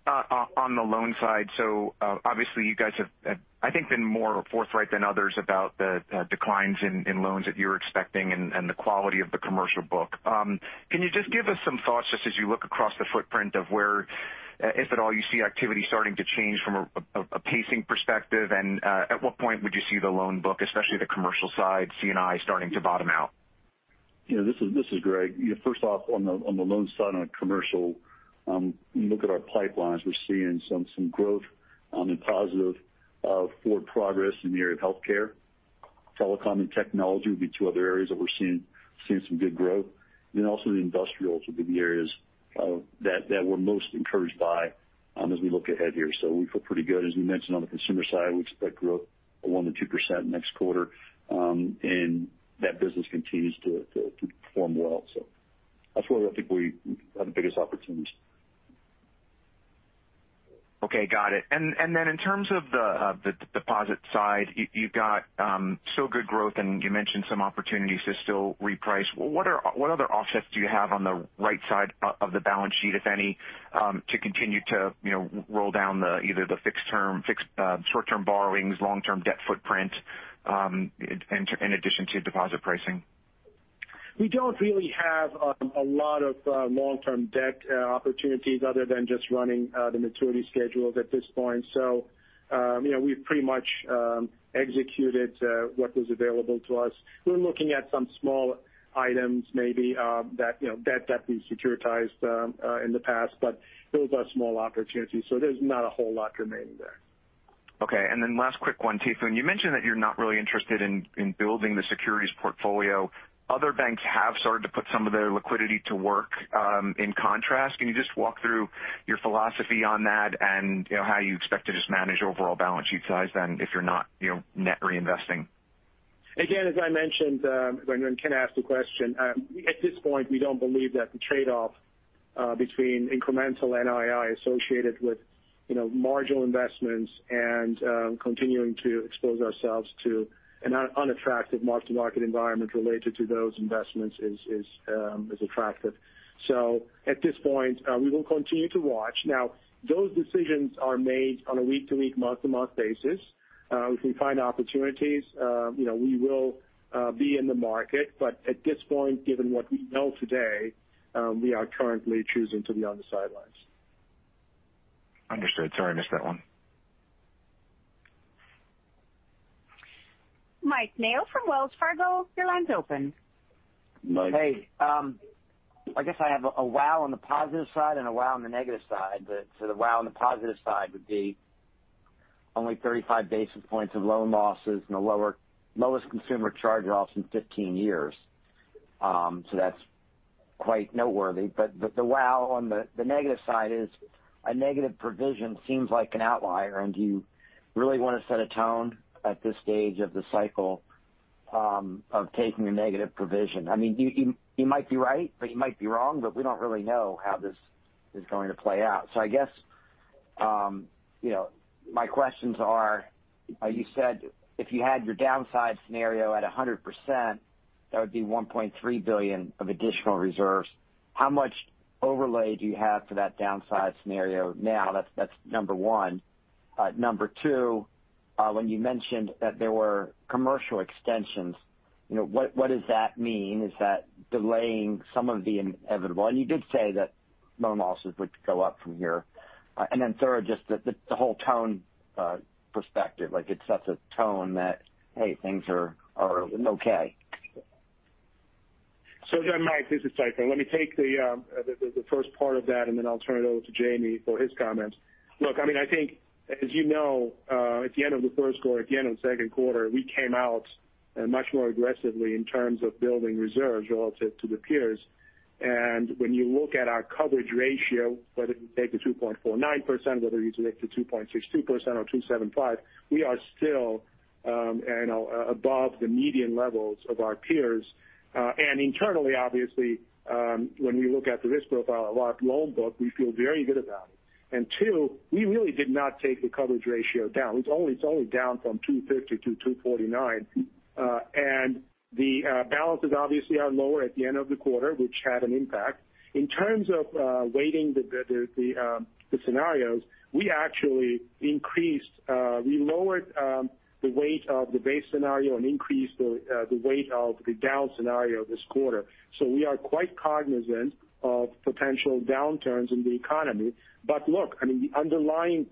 on the loan side. So obviously, you guys have, I think, been more forthright than others about the declines in loans that you were expecting and the quality of the commercial book. Can you just give us some thoughts just as you look across the footprint of where, if at all, you see activity starting to change from a pacing perspective, and at what point would you see the loan book, especially the commercial side, C&I, starting to bottom out? Yeah. This is Greg. First off, on the loan side on a commercial, you look at our pipelines. We're seeing some growth and positive forward progress in the area of healthcare. Telecom and technology would be two other areas that we're seeing some good growth. Then also the industrials would be the areas that we're most encouraged by as we look ahead here. So we feel pretty good. As we mentioned, on the consumer side, we expect growth of 1%-2% next quarter, and that business continues to perform well. So that's where I think we have the biggest opportunities. Okay. Got it. And then in terms of the deposit side, you've got so good growth, and you mentioned some opportunities to still reprice. What other offsets do you have on the right side of the balance sheet, if any, to continue to roll down either the short-term borrowings, long-term debt footprint, in addition to deposit pricing? We don't really have a lot of long-term debt opportunities other than just running the maturity schedules at this point. So we've pretty much executed what was available to us. We're looking at some small items, maybe, that we securitized in the past, but those are small opportunities. So there's not a whole lot remaining there. Okay. And then last quick one, Tayfun. You mentioned that you're not really interested in building the securities portfolio. Other banks have started to put some of their liquidity to work in contrast. Can you just walk through your philosophy on that and how you expect to just manage overall balance sheet size then if you're not net reinvesting? Again, as I mentioned, when Ken asked the question, at this point, we don't believe that the trade-off between incremental NII associated with marginal investments and continuing to expose ourselves to an unattractive mark-to-market environment related to those investments is attractive. So at this point, we will continue to watch. Now, those decisions are made on a week-to-week, month-to-month basis. If we find opportunities, we will be in the market. But at this point, given what we know today, we are currently choosing to be on the sidelines. Understood. Sorry, I missed that one. Mike Mayo from Wells Fargo. Your line's open. Mike. Hey. I guess I have a wow on the positive side and a wow on the negative side. The wow on the positive side would be only 35 basis points of loan losses and the lowest consumer charge-offs in 15 years. That's quite noteworthy. The wow on the negative side is that a negative provision seems like an outlier, and you really want to set a tone at this stage of the cycle of taking a negative provision. I mean, you might be right, but you might be wrong, but we don't really know how this is going to play out. My questions are, you said if you had your downside scenario at 100%, that would be $1.3 billion of additional reserves. How much overlay do you have for that downside scenario now? That's number one. Number two, when you mentioned that there were commercial extensions, what does that mean? Is that delaying some of the inevitable? You did say that loan losses would go up from here. And then third, just the whole tone perspective. It sets a tone that, hey, things are okay. So again, Mike, this is Tayfun. Let me take the first part of that, and then I'll turn it over to Jamie for his comments. Look, I mean, I think, as you know, at the end of the first quarter, at the end of the second quarter, we came out much more aggressively in terms of building reserves relative to the peers. And when you look at our coverage ratio, whether you take the 2.49%, whether you take the 2.62% or 2.75%, we are still above the median levels of our peers. And internally, obviously, when we look at the risk profile of our loan book, we feel very good about it. And two, we really did not take the coverage ratio down. It's only down from 2.50-2.49. And the balances obviously are lower at the end of the quarter, which had an impact. In terms of weighting the scenarios, we actually increased. We lowered the weight of the base scenario and increased the weight of the down scenario this quarter. So we are quite cognizant of potential downturns in the economy. But look, I mean, the underlying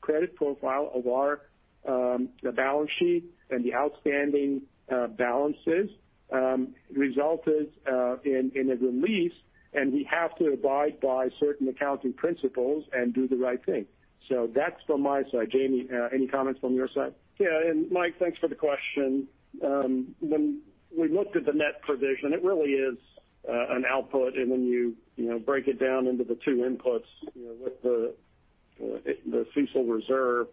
credit profile of our balance sheet and the outstanding balances resulted in a release, and we have to abide by certain accounting principles and do the right thing. So that's from my side. Jamie, any comments from your side? Yeah. And Mike, thanks for the question. When we looked at the net provision, it really is an output. And when you break it down into the two inputs, the CECL reserve,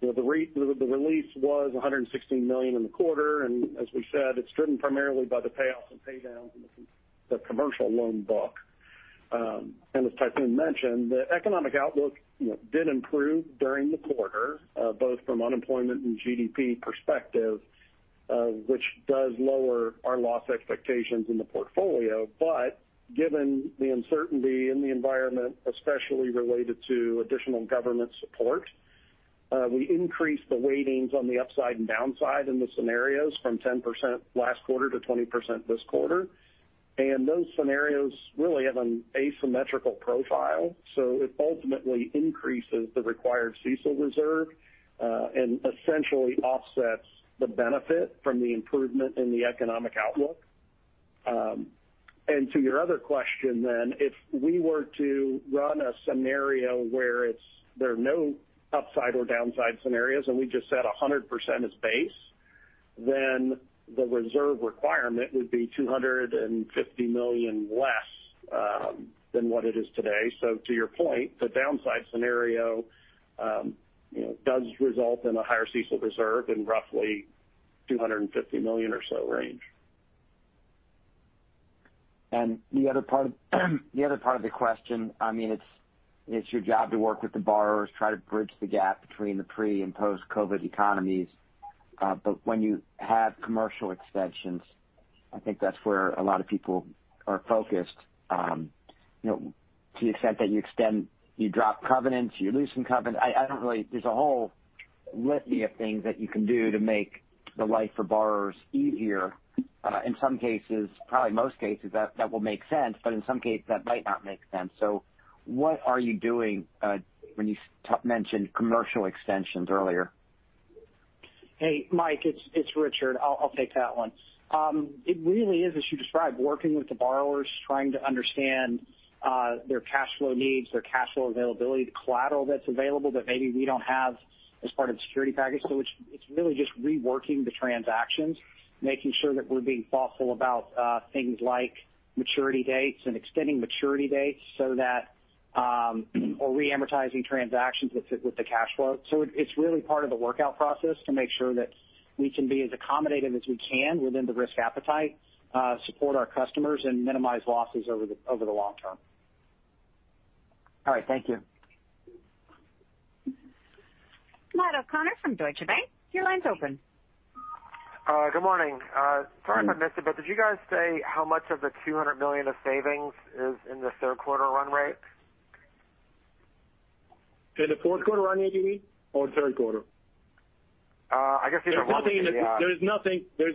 the release was $116 million in the quarter. And as we said, it's driven primarily by the payoffs and paydowns in the commercial loan book. And as Tayfun mentioned, the economic outlook did improve during the quarter, both from unemployment and GDP perspective, which does lower our loss expectations in the portfolio. But given the uncertainty in the environment, especially related to additional government support, we increased the weightings on the upside and downside in the scenarios from 10% last quarter to 20% this quarter. And those scenarios really have an asymmetrical profile. So it ultimately increases the required CECL reserve and essentially offsets the benefit from the improvement in the economic outlook. To your other question then, if we were to run a scenario where there are no upside or downside scenarios and we just set 100% as base, then the reserve requirement would be $250 million less than what it is today. To your point, the downside scenario does result in a higher CECL reserve in roughly $250 million or so range. The other part of the question, I mean, it is your job to work with the borrowers, try to bridge the gap between the pre- and post-COVID economies. When you have commercial extensions, I think that is where a lot of people are focused to the extent that you drop covenants, you loosen covenants. There is a whole litany of things that you can do to make the life for borrowers easier. In some cases, probably most cases, that will make sense, but in some cases, that might not make sense. So what are you doing when you mentioned commercial extensions earlier? Hey, Mike, it's Richard. I'll take that one. It really is, as you described, working with the borrowers, trying to understand their cash flow needs, their cash flow availability, the collateral that's available that maybe we don't have as part of the security package. So it's really just reworking the transactions, making sure that we're being thoughtful about things like maturity dates and extending maturity dates or reamortizing transactions that fit with the cash flow. So it's really part of the workout process to make sure that we can be as accommodative as we can within the risk appetite, support our customers, and minimize losses over the long term. All right. Thank you. Matt O'Connor from Deutsche Bank. Your line's open. Good morning. Sorry if I missed it, but did you guys say how much of the $200 million of savings is in the third quarter run rate? In the fourth quarter run rate, you mean? Or third quarter? I guess either one of these. There's nothing in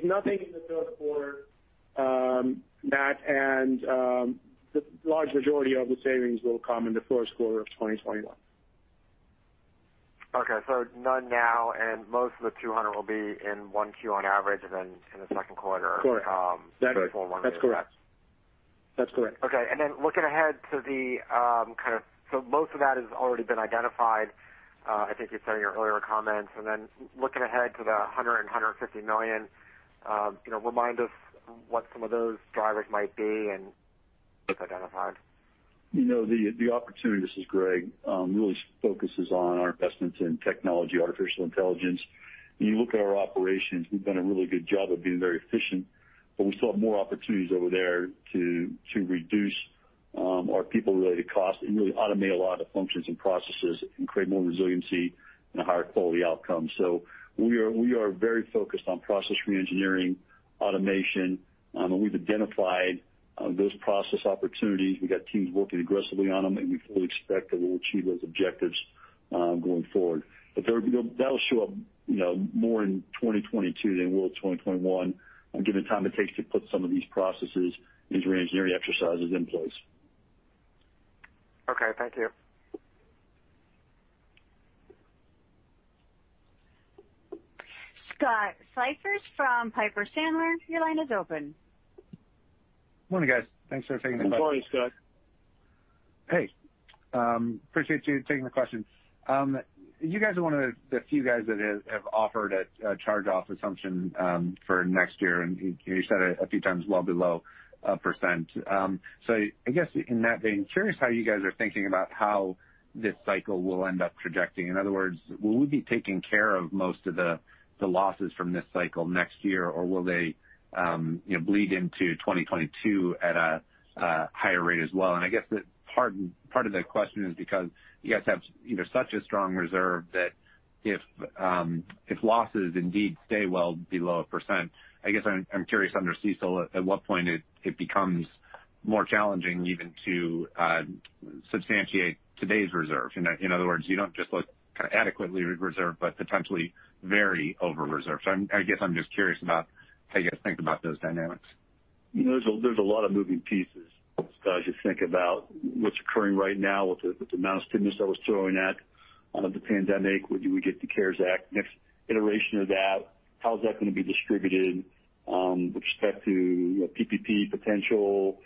the third quarter, Matt. And the large majority of the savings will come in the first quarter of 2021. Okay. So none now, and most of the $200 million will be in 1Q on average and then in the second quarter. Correct. That's correct. That's correct. Okay. And then looking ahead to the kind of so most of that has already been identified, I think you said in your earlier comments. And then looking ahead to the $100 million and $150 million, remind us what some of those drivers might be and that's identified? The opportunity -- this is Greg -- really focuses on our investments in technology, artificial intelligence. When you look at our operations, we've done a really good job of being very efficient, but we still have more opportunities over there to reduce our people-related costs and really automate a lot of functions and processes and create more resiliency and a higher quality outcome. So we are very focused on process reengineering, automation. We've identified those process opportunities. We've got teams working aggressively on them, and we fully expect that we'll achieve those objectives going forward. But that'll show up more in 2022 than it will in 2021, given the time it takes to put some of these processes and reengineering exercises in place. Okay. Thank you. Scott Siefers from Piper Sandler. Your line is open. Morning, guys. Thanks for taking the question. Good morning, Scott. Hey. Appreciate you taking the question. You guys are one of the few guys that have offered a charge-off assumption for next year, and you said a few times well below a %. So I guess in that vein, curious how you guys are thinking about how this cycle will end up projecting. In other words, will we be taking care of most of the losses from this cycle next year, or will they bleed into 2022 at a higher rate as well? And I guess part of the question is because you guys have such a strong reserve that if losses indeed stay well below a %, I guess I'm curious under CECL, at what point it becomes more challenging even to substantiate today's reserve. In other words, you don't just look adequately reserved, but potentially very over-reserved. So I guess I'm just curious about how you guys think about those dynamics. There's a lot of moving pieces, Scott, as you think about what's occurring right now with the amount of stimulus that was thrown at the pandemic. We get the CARES Act, next iteration of that. How's that going to be distributed with respect to PPP potential,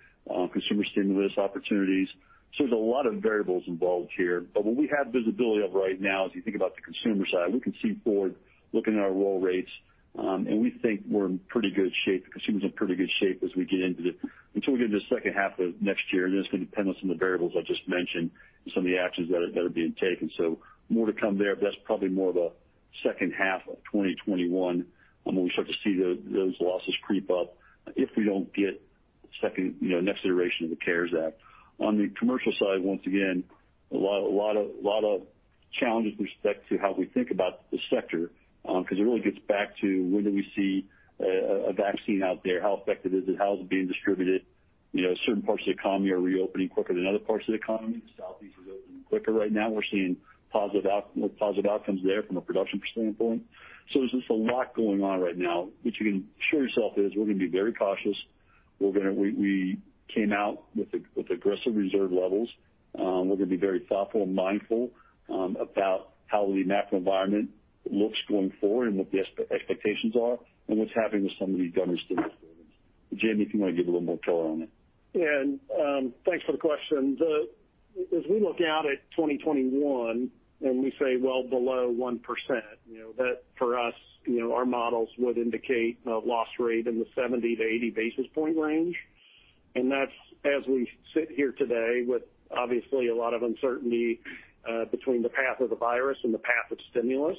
consumer stimulus opportunities? So there's a lot of variables involved here. But what we have visibility of right now, as you think about the consumer side, we can see forward looking at our roll rates, and we think we're in pretty good shape. The consumers are in pretty good shape as we get into the second half of next year, and then it's going to depend on some of the variables I just mentioned and some of the actions that are being taken. So more to come there, but that's probably more of a second half of 2021 when we start to see those losses creep up if we don't get next iteration of the CARES Act. On the commercial side, once again, a lot of challenges with respect to how we think about the sector because it really gets back to when do we see a vaccine out there, how effective is it, how is it being distributed? Certain parts of the economy are reopening quicker than other parts of the economy. The Southeast is opening quicker right now. We're seeing positive outcomes there from a production standpoint. So there's just a lot going on right now, which you can assure yourself is we're going to be very cautious. We came out with aggressive reserve levels. We're going to be very thoughtful and mindful about how the macro environment looks going forward and what the expectations are and what's happening with some of these government stimulus programs. Jamie, if you want to give a little more color on it. Yeah, and thanks for the question. As we look out at 2021 and we say, well, below 1%, that for us, our models would indicate a loss rate in the 70-80 basis point range, and that's as we sit here today with, obviously, a lot of uncertainty between the path of the virus and the path of stimulus,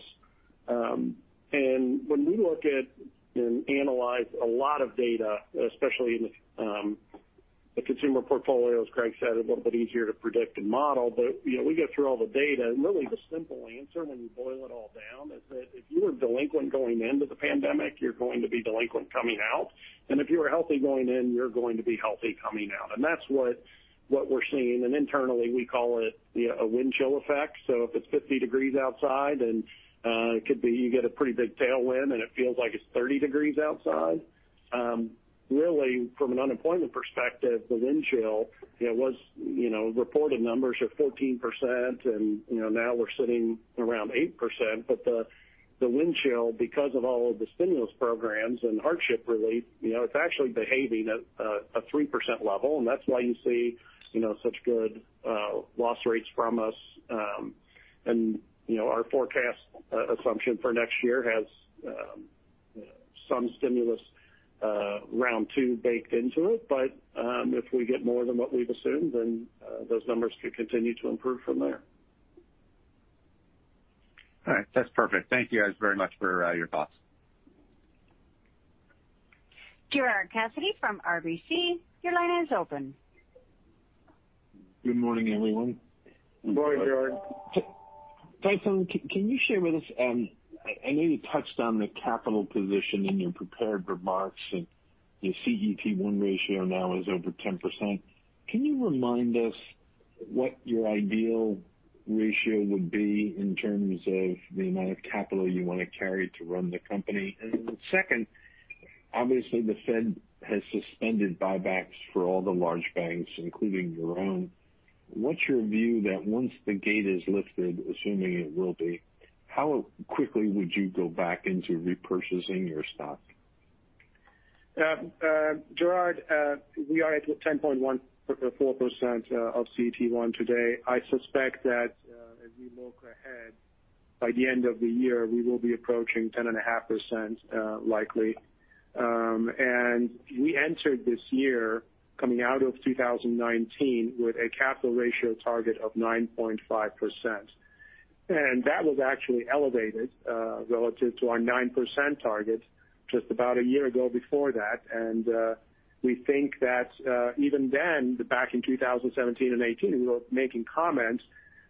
and when we look at and analyze a lot of data, especially in the consumer portfolios, Greg said it's a little bit easier to predict and model, but we go through all the data. And really, the simple answer, when you boil it all down, is that if you were delinquent going into the pandemic, you're going to be delinquent coming out. And if you were healthy going in, you're going to be healthy coming out. And that's what we're seeing. And internally, we call it a wind chill effect. So if it's 50 degrees Fahrenheit outside and it could be you get a pretty big tailwind and it feels like it's 30 degrees outside, really, from an unemployment perspective, the wind chill was reported numbers of 14%, and now we're sitting around 8%. But the wind chill, because of all of the stimulus programs and hardship relief, it's actually behaving at a 3% level. And that's why you see such good loss rates from us. And our forecast assumption for next year has some stimulus round two baked into it. But if we get more than what we've assumed, then those numbers could continue to improve from there. All right. That's perfect. Thank you guys very much for your thoughts. Gerard Cassidy from RBC, your line is open. Good morning, everyone. Good morning, Gerard. Tayfun, can you share with us, I know you touched on the capital position in your prepared remarks, and the CET1 ratio now is over 10%. Can you remind us what your ideal ratio would be in terms of the amount of capital you want to carry to run the company? And second, obviously, the Fed has suspended buybacks for all the large banks, including your own. What's your view that once the gate is lifted, assuming it will be, how quickly would you go back into repurchasing your stock? Gerard, we are at 10.14% CET1 today. I suspect that as we look ahead, by the end of the year, we will be approaching 10.5%, likely. And we entered this year coming out of 2019 with a capital ratio target of 9.5%. And that was actually elevated relative to our 9% target just about a year ago before that. And we think that even then, back in 2017 and 2018, we were making comments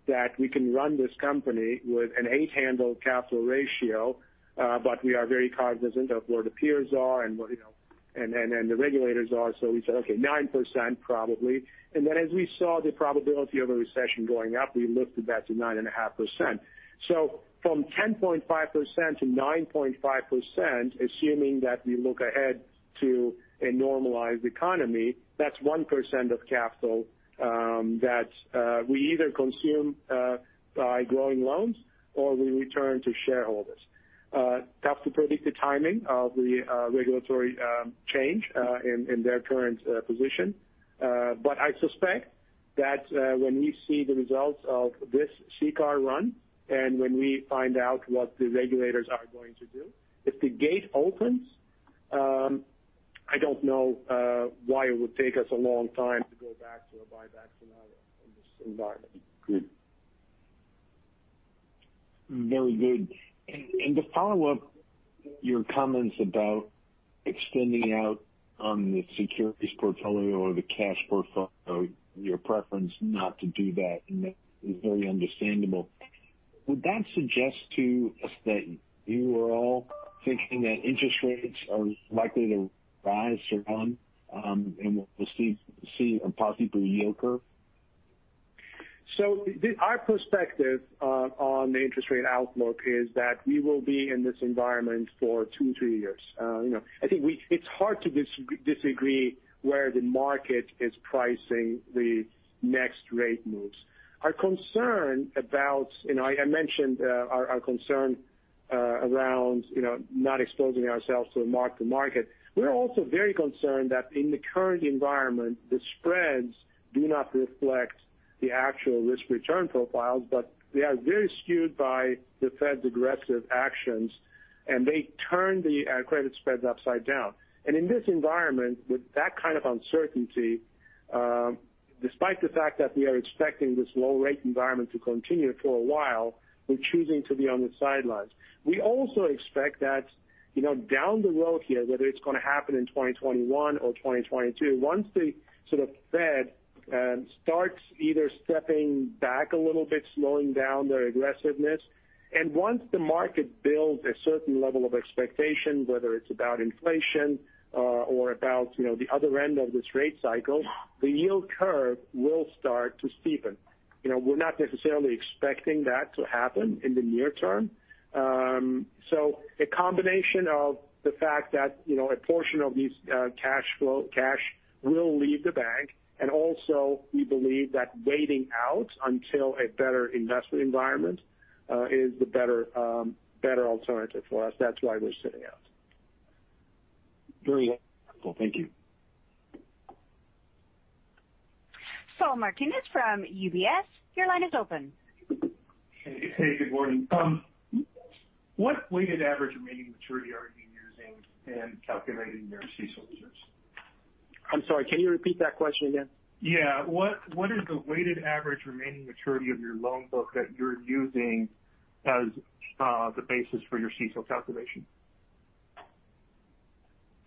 that we can run this company with an eight-handle capital ratio, but we are very cognizant of where the peers are and the regulators are. So we said, "Okay, 9% probably." And then as we saw the probability of a recession going up, we lifted that to 9.5%. So from 10.5%-9.5%, assuming that we look ahead to a normalized economy. That's 1% of capital that we either consume by growing loans or we return to shareholders. Tough to predict the timing of the regulatory change in their current position. But I suspect that when we see the results of this CCAR run and when we find out what the regulators are going to do, if the gate opens, I don't know why it would take us a long time to go back to a buyback scenario in this environment. Good. Very good. And to follow up your comments about extending out on the securities portfolio or the cash portfolio, your preference not to do that is very understandable. Would that suggest to us that you are all thinking that interest rates are likely to rise or run and we'll see a positive yield curve? So our perspective on the interest rate outlook is that we will be in this environment for two or three years. I think it's hard to disagree where the market is pricing the next rate moves. Our concern about, I mentioned our concern around not exposing ourselves to a mark-to-market. We're also very concerned that in the current environment, the spreads do not reflect the actual risk-return profiles, but they are very skewed by the Fed's aggressive actions, and they turn the credit spreads upside down. And in this environment, with that kind of uncertainty, despite the fact that we are expecting this low-rate environment to continue for a while, we're choosing to be on the sidelines. We also expect that down the road here, whether it's going to happen in 2021 or 2022, once the sort of Fed starts either stepping back a little bit, slowing down their aggressiveness, and once the market builds a certain level of expectation, whether it's about inflation or about the other end of this rate cycle, the yield curve will start to steepen. We're not necessarily expecting that to happen in the near term. So a combination of the fact that a portion of this cash will leave the bank, and also we believe that waiting out until a better investment environment is the better alternative for us. That's why we're sitting out. Very helpful. Thank you. Saul Martinez from UBS, your line is open. Hey, good morning. What weighted average remaining maturity are you using in calculating your CDs? I'm sorry, can you repeat that question again? Yeah. What is the weighted average remaining maturity of your loan book that you're using as the basis for your CECL calculation?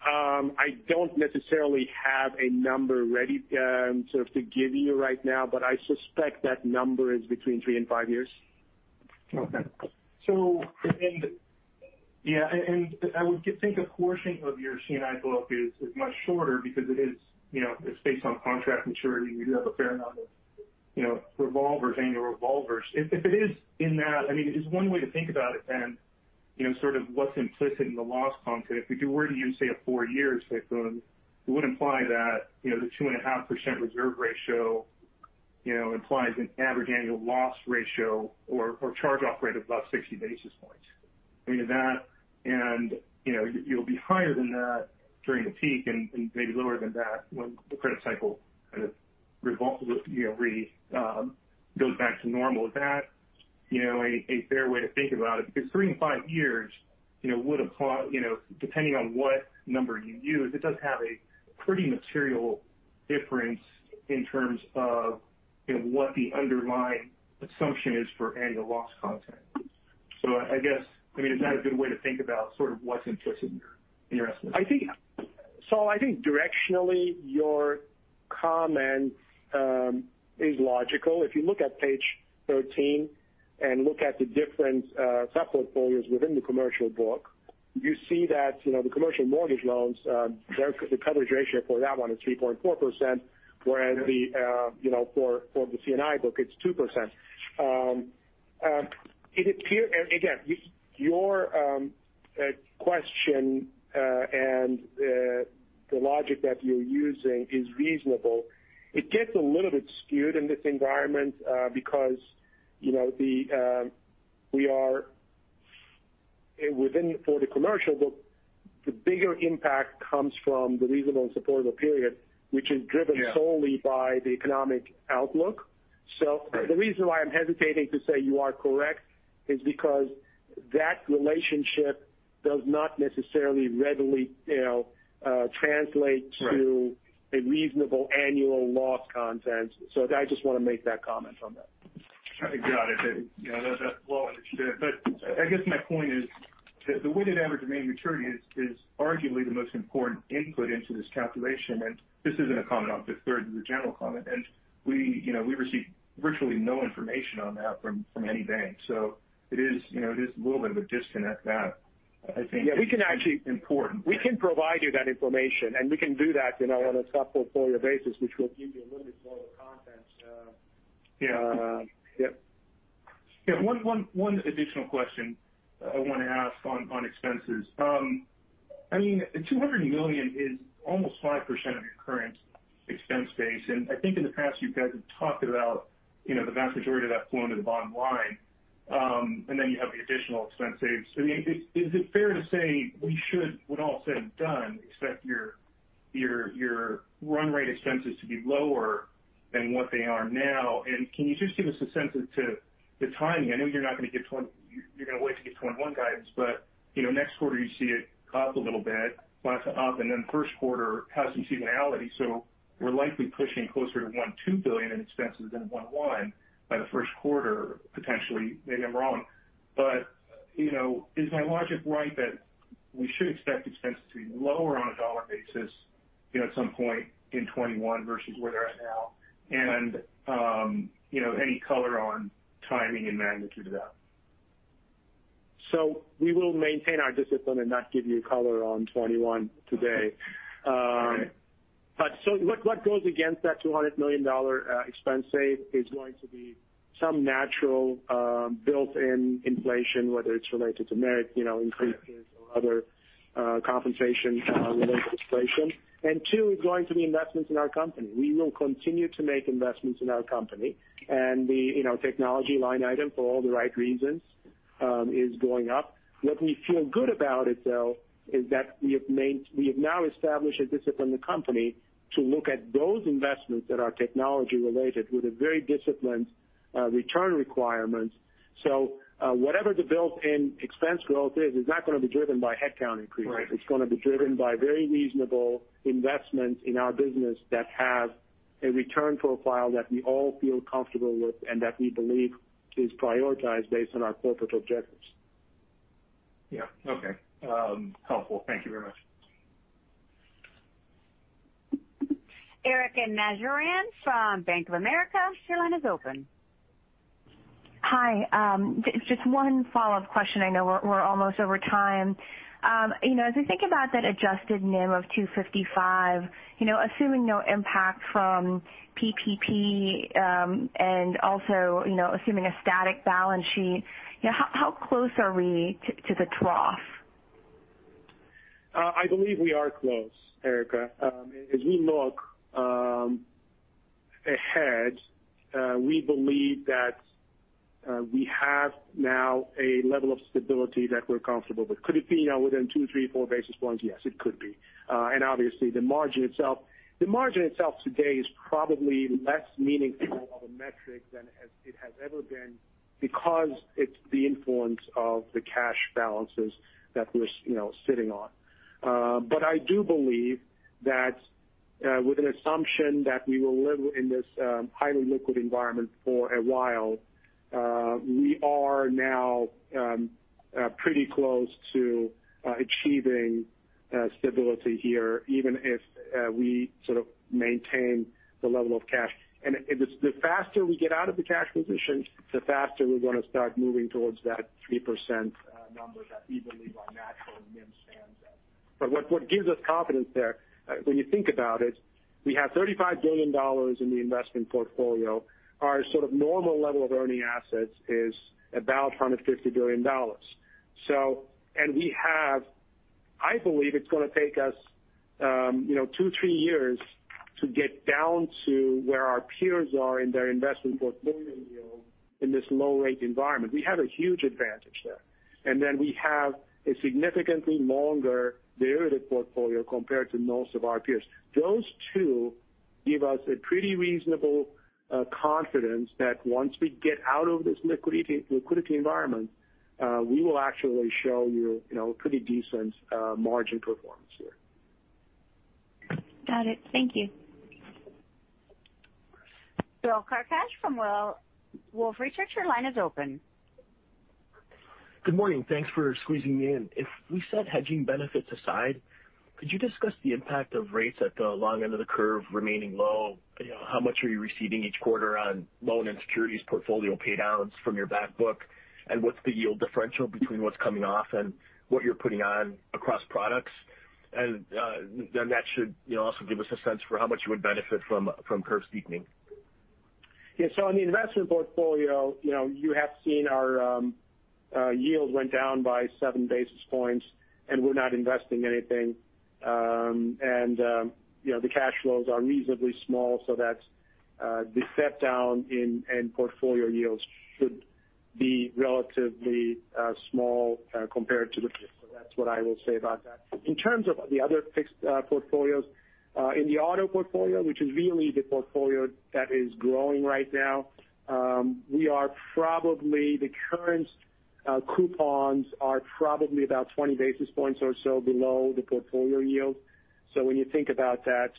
I don't necessarily have a number ready to give you right now, but I suspect that number is between three and five years. Okay. Yeah. And I would think a portion of your C&I book is much shorter because it is based on contract maturity. You do have a fair amount of revolvers, annual revolvers. If it is in that, I mean, it's one way to think about it, and sort of what's implicit in the loss content. If we were to use, say, a four-year type, it would imply that the 2.5% reserve ratio implies an average annual loss ratio or charge-off rate of about 60 basis points. I mean, and you'll be higher than that during the peak and maybe lower than that when the credit cycle kind of goes back to normal. Is that a fair way to think about it because three and five years would apply, depending on what number you use? It does have a pretty material difference in terms of what the underlying assumption is for annual loss content. So I guess, I mean, is that a good way to think about sort of what's implicit in your estimate? I think, Saul, I think directionally, your comment is logical. If you look at page 13 and look at the different sub-portfolios within the commercial book, you see that the commercial mortgage loans, the coverage ratio for that one is 3.4%, whereas for the C&I book, it's 2%. Again, your question and the logic that you're using is reasonable. It gets a little bit skewed in this environment because we are within for the commercial book, the bigger impact comes from the reasonable and supportable period, which is driven solely by the economic outlook. So the reason why I'm hesitating to say you are correct is because that relationship does not necessarily readily translate to a reasonable annual loss rate. So I just want to make that comment on that. Got it. Yeah, that's well understood. But I guess my point is the weighted average remaining maturity is arguably the most important input into this calculation. And this isn't a comment on Fifth Third, this is a general comment. And we receive virtually no information on that from any bank. So it is a little bit of a disconnect that I think is important. Yeah, we can actually provide you that information, and we can do that on a sub-portfolio basis, which will give you a little bit more of the content. Yeah. Yeah. One additional question I want to ask on expenses. I mean, $200 million is almost 5% of your current expense base. And I think in the past, you guys have talked about the vast majority of that flowing to the bottom line. And then you have the additional expense saves. Is it fair to say we should, with all said and done, expect your run rate expenses to be lower than what they are now? And can you just give us a sense of the timing? I know you're not going to get 2020, you're going to wait to get 2021 guidance, but next quarter, you see it up a little bit, up, and then first quarter has some seasonality. So we're likely pushing closer to $1.2 billion in expenses than $1.1 billion by the first quarter, potentially. Maybe I'm wrong. But is my logic right that we should expect expenses to be lower on a dollar basis at some point in 2021 versus where they're at now? And any color on timing and magnitude of that? So we will maintain our discipline and not give you a color on 2021 today. But so what goes against that $200 million expense save is going to be some natural built-in inflation, whether it's related to merit increases or other compensation related to inflation. And two, it's going to be investments in our company. We will continue to make investments in our company. And the technology line item, for all the right reasons, is going up. What we feel good about it, though, is that we have now established a discipline in the company to look at those investments that are technology-related with a very disciplined return requirement. So whatever the built-in expense growth is, it's not going to be driven by headcount increases. It's going to be driven by very reasonable investments in our business that have a return profile that we all feel comfortable with and that we believe is prioritized based on our corporate objectives. Yeah. Okay. Helpful. Thank you very much. Erika Najarian from Bank of America, your line is open. Hi. Just one follow-up question. I know we're almost over time. As we think about that adjusted NIM of 255, assuming no impact from PPP and also assuming a static balance sheet, how close are we to the trough? I believe we are close, Erika. As we look ahead, we believe that we have now a level of stability that we're comfortable with. Could it be within two, three, four basis points? Yes, it could be. And obviously, the margin itself, the margin itself today is probably less meaningful of a metric than it has ever been because it's the influence of the cash balances that we're sitting on. But I do believe that with an assumption that we will live in this highly liquid environment for a while, we are now pretty close to achieving stability here, even if we sort of maintain the level of cash. And the faster we get out of the cash position, the faster we're going to start moving towards that 3% number that we believe our natural NIM stands at. But what gives us confidence there, when you think about it, we have $35 billion in the investment portfolio. Our sort of normal level of earning assets is about $150 billion. And I believe it's going to take us two, three years to get down to where our peers are in their investment portfolio yield in this low-rate environment. We have a huge advantage there. And then we have a significantly longer derivative portfolio compared to most of our peers. Those two give us a pretty reasonable confidence that once we get out of this liquidity environment, we will actually show you a pretty decent margin performance here. Got it. Thank you. Bill Carcache from Wolfe Research, your line is open. Good morning. Thanks for squeezing me in. If we set hedging benefits aside, could you discuss the impact of rates at the long end of the curve remaining low? How much are you receiving each quarter on loan and securities portfolio paydowns from your backbook? And what's the yield differential between what's coming off and what you're putting on across products? And then that should also give us a sense for how much you would benefit from curve steepening. Yeah. So on the investment portfolio, you have seen our yield went down by seven basis points, and we're not investing anything. And the cash flows are reasonably small, so that the step down in portfolio yields should be relatively small compared to the fixed. So that's what I will say about that. In terms of the other fixed portfolios, in the auto portfolio, which is really the portfolio that is growing right now, we are probably the current coupons are probably about 20 basis points or so below the portfolio yield. So when you think about that,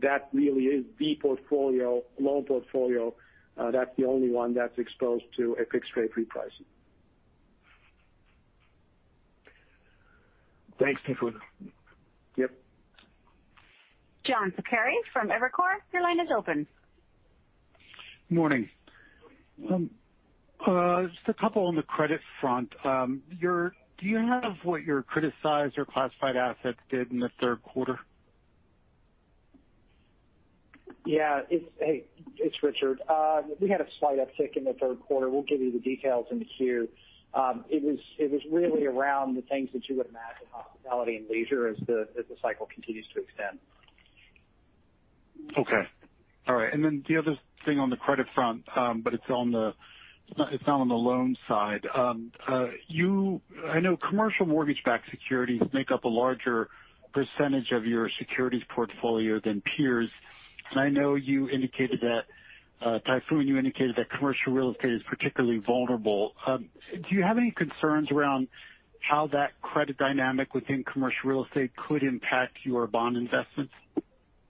that really is the portfolio, loan portfolio. That's the only one that's exposed to a fixed rate repricing. Thanks, Tayfun. Yep. John Pancari from Evercore, your line is open. Good morning. Just a couple on the credit front. Do you have what your criticized or classified assets did in the third quarter? Yeah. It's Richard. We had a slight uptick in the third quarter. We'll give you the details in here. It was really around the things that you would imagine, hospitality and leisure, as the cycle continues to extend. Okay. All right. Then the other thing on the credit front, but it's not on the loan side. I know commercial mortgage-backed securities make up a larger percentage of your securities portfolio than peers. I know you indicated that, Tayfun, commercial real estate is particularly vulnerable. Do you have any concerns around how that credit dynamic within commercial real estate could impact your bond investments?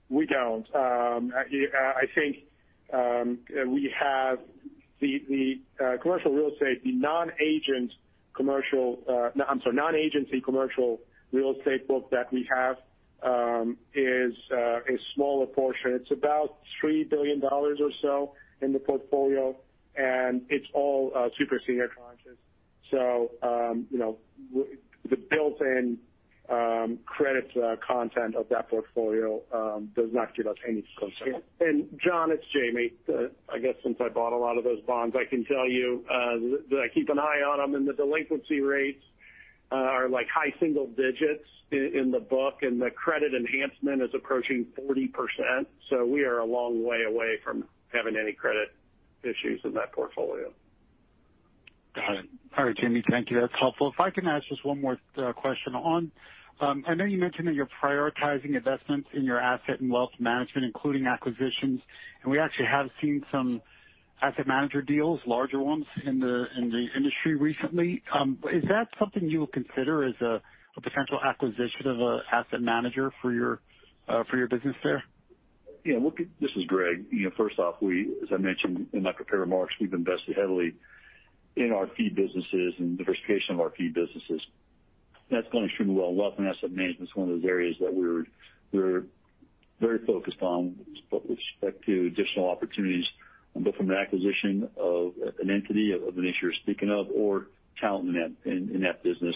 We don't. I think we have the commercial real estate, the non-agency commercial, I'm sorry, non-agency commercial real estate book that we have is a smaller portion. It's about $3 billion or so in the portfolio, and it's all super senior tranches. So the built-in credit content of that portfolio does not give us any concern. John, it's Jamie. I guess since I bought a lot of those bonds, I can tell you that I keep an eye on them. And the delinquency rates are high single digits in the book, and the credit enhancement is approaching 40%. So we are a long way away from having any credit issues in that portfolio. Got it. All right, Jamie. Thank you. That's helpful. If I can ask just one more question on, I know you mentioned that you're prioritizing investments in your asset and wealth management, including acquisitions. And we actually have seen some asset manager deals, larger ones in the industry recently. Is that something you would consider as a potential acquisition of an asset manager for your business there? Yeah. This is Greg. First off, as I mentioned in my prepared remarks, we've invested heavily in our fee businesses and diversification of our fee businesses. That's gone extremely well. Wealth and asset management is one of those areas that we're very focused on with respect to additional opportunities, both from the acquisition of an entity of the nature you're speaking of or talent in that business.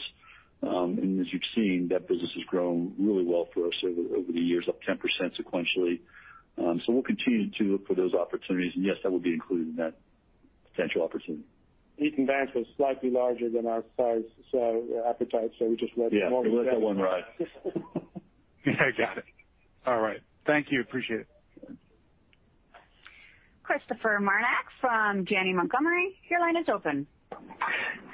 And as you've seen, that business has grown really well for us over the years, up 10% sequentially. So we'll continue to look for those opportunities. And yes, that would be included in that potential opportunity. Eaton Vance was slightly larger than our size appetite, so we just let them won that. Yeah, we let them won that. Yeah, I got it. All right. Thank you. Appreciate it. Christopher Marinac from Janney Montgomery, your line is open.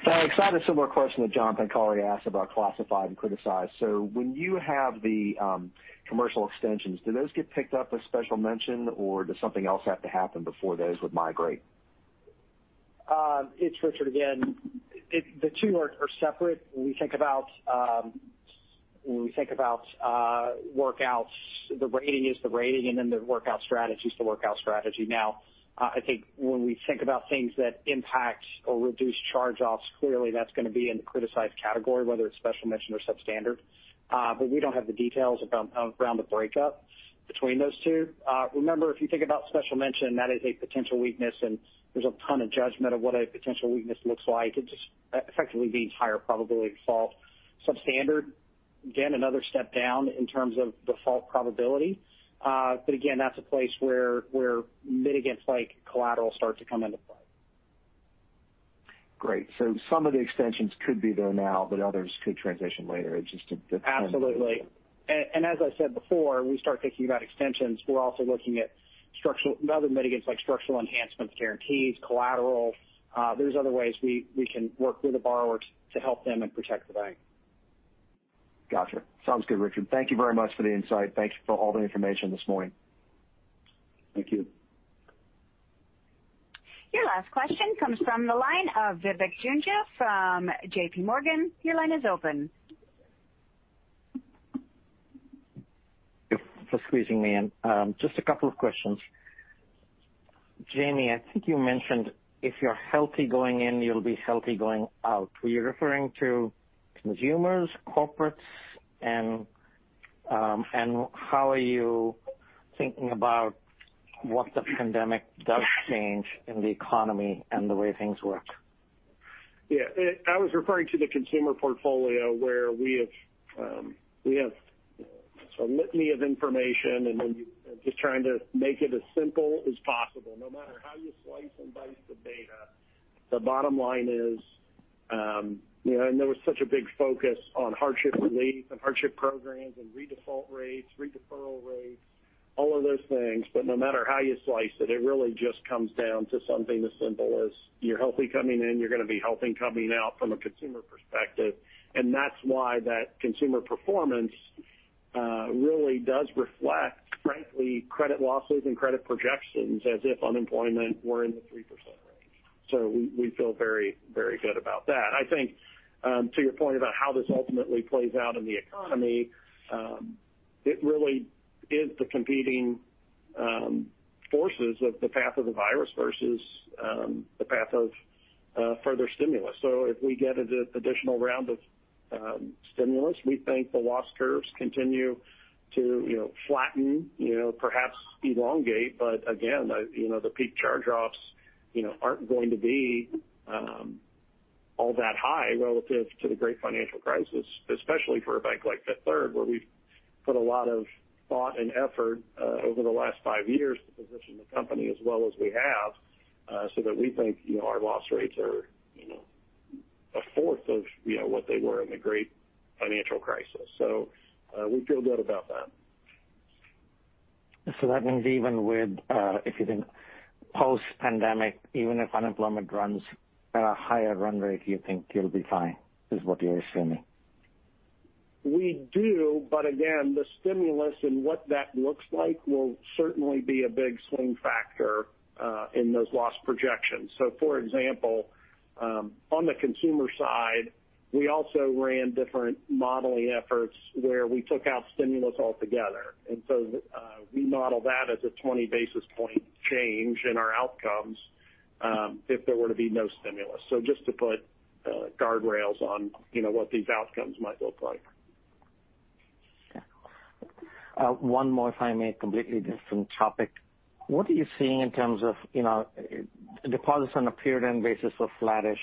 I had a similar question that John Pancari asked about classified and criticized. When you have the commercial extensions, do those get picked up with special mention, or does something else have to happen before those would migrate? It's Richard again. The two are separate. When we think about workouts, the rating is the rating, and then the workout strategy is the workout strategy. Now, I think when we think about things that impact or reduce charge-offs, clearly, that's going to be in the criticized category, whether it's special mention or substandard. But we don't have the details around the breakup between those two. Remember, if you think about special mention, that is a potential weakness, and there's a ton of judgment of what a potential weakness looks like. It just effectively means higher probability of default. Substandard, again, another step down in terms of default probability. But again, that's a place where mitigants like collateral start to come into play. Great. So some of the extensions could be there now, but others could transition later. It's just a dependence. Absolutely. And as I said before, we start thinking about extensions, we're also looking at other mitigants like structural enhancements, guarantees, collateral. There's other ways we can work with a borrower to help them and protect the bank. Gotcha. Sounds good, Richard. Thank you very much for the insight. Thank you for all the information this morning. Thank you. Your last question comes from the line of Vivek Juneja from JPMorgan. Your line is open. Thanks for squeezing me in. Just a couple of questions. Jamie, I think you mentioned if you're healthy going in, you'll be healthy going out. Were you referring to consumers, corporates, and how are you thinking about what the pandemic does change in the economy and the way things work? Yeah. I was referring to the consumer portfolio where we have a litany of information, and then just trying to make it as simple as possible. No matter how you slice and dice the data, the bottom line is, and there was such a big focus on hardship relief and hardship programs and redefault rates, redeferral rates, all of those things. But no matter how you slice it, it really just comes down to something as simple as you're healthy coming in, you're going to be healthy coming out from a consumer perspective. And that's why that consumer performance really does reflect, frankly, credit losses and credit projections as if unemployment were in the 3% range. So we feel very, very good about that. I think, to your point about how this ultimately plays out in the economy, it really is the competing forces of the path of the virus versus the path of further stimulus. So if we get an additional round of stimulus, we think the loss curves continue to flatten, perhaps elongate. But again, the peak charge-offs aren't going to be all that high relative to the Great Financial Crisis, especially for a bank like Fifth Third, where we've put a lot of thought and effort over the last five years to position the company as well as we have, so that we think our loss rates are a fourth of what they were in the Great Financial Crisis. So we feel good about that. So that means even with, if you think post-pandemic, even if unemployment runs at a higher run rate, you think you'll be fine, is what you're assuming? We do. But again, the stimulus and what that looks like will certainly be a big swing factor in those loss projections. So for example, on the consumer side, we also ran different modeling efforts where we took out stimulus altogether. And so we model that as a 20 basis point change in our outcomes if there were to be no stimulus. So just to put guardrails on what these outcomes might look like. One more, if I may, completely different topic. What are you seeing in terms of deposits on a period-end basis of flattish,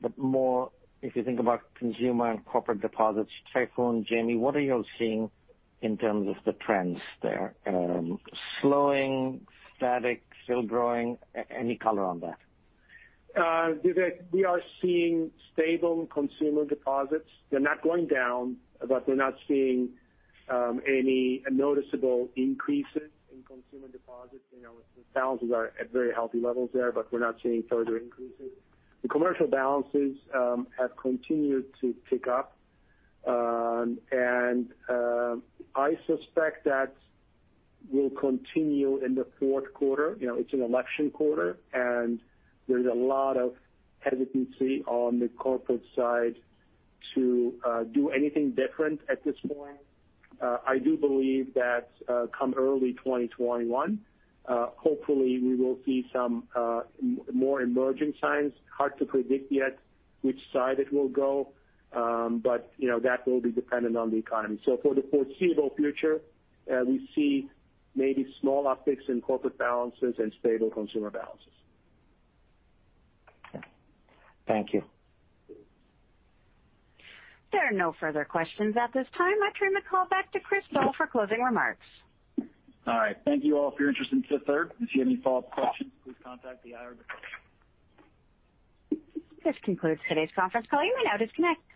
but more if you think about consumer and corporate deposits? Tayfun, Jamie, what are you seeing in terms of the trends there? Slowing, static, still growing? Any color on that? We are seeing stable consumer deposits. They're not going down, but we're not seeing any noticeable increases in consumer deposits. The balances are at very healthy levels there, but we're not seeing further increases. The commercial balances have continued to pick up, and I suspect that will continue in the fourth quarter. It's an election quarter, and there's a lot of hesitancy on the corporate side to do anything different at this point. I do believe that come early 2021, hopefully, we will see some more emerging signs. Hard to predict yet which side it will go, but that will be dependent on the economy. So for the foreseeable future, we see maybe small upticks in corporate balances and stable consumer balances. Thank you. There are no further questions at this time. I turn the call back to Chris Doll for closing remarks. All right. Thank you all for your interest in Fifth Third. If you have any follow-up questions, please contact the IR department. This concludes today's conference call. You may now disconnect.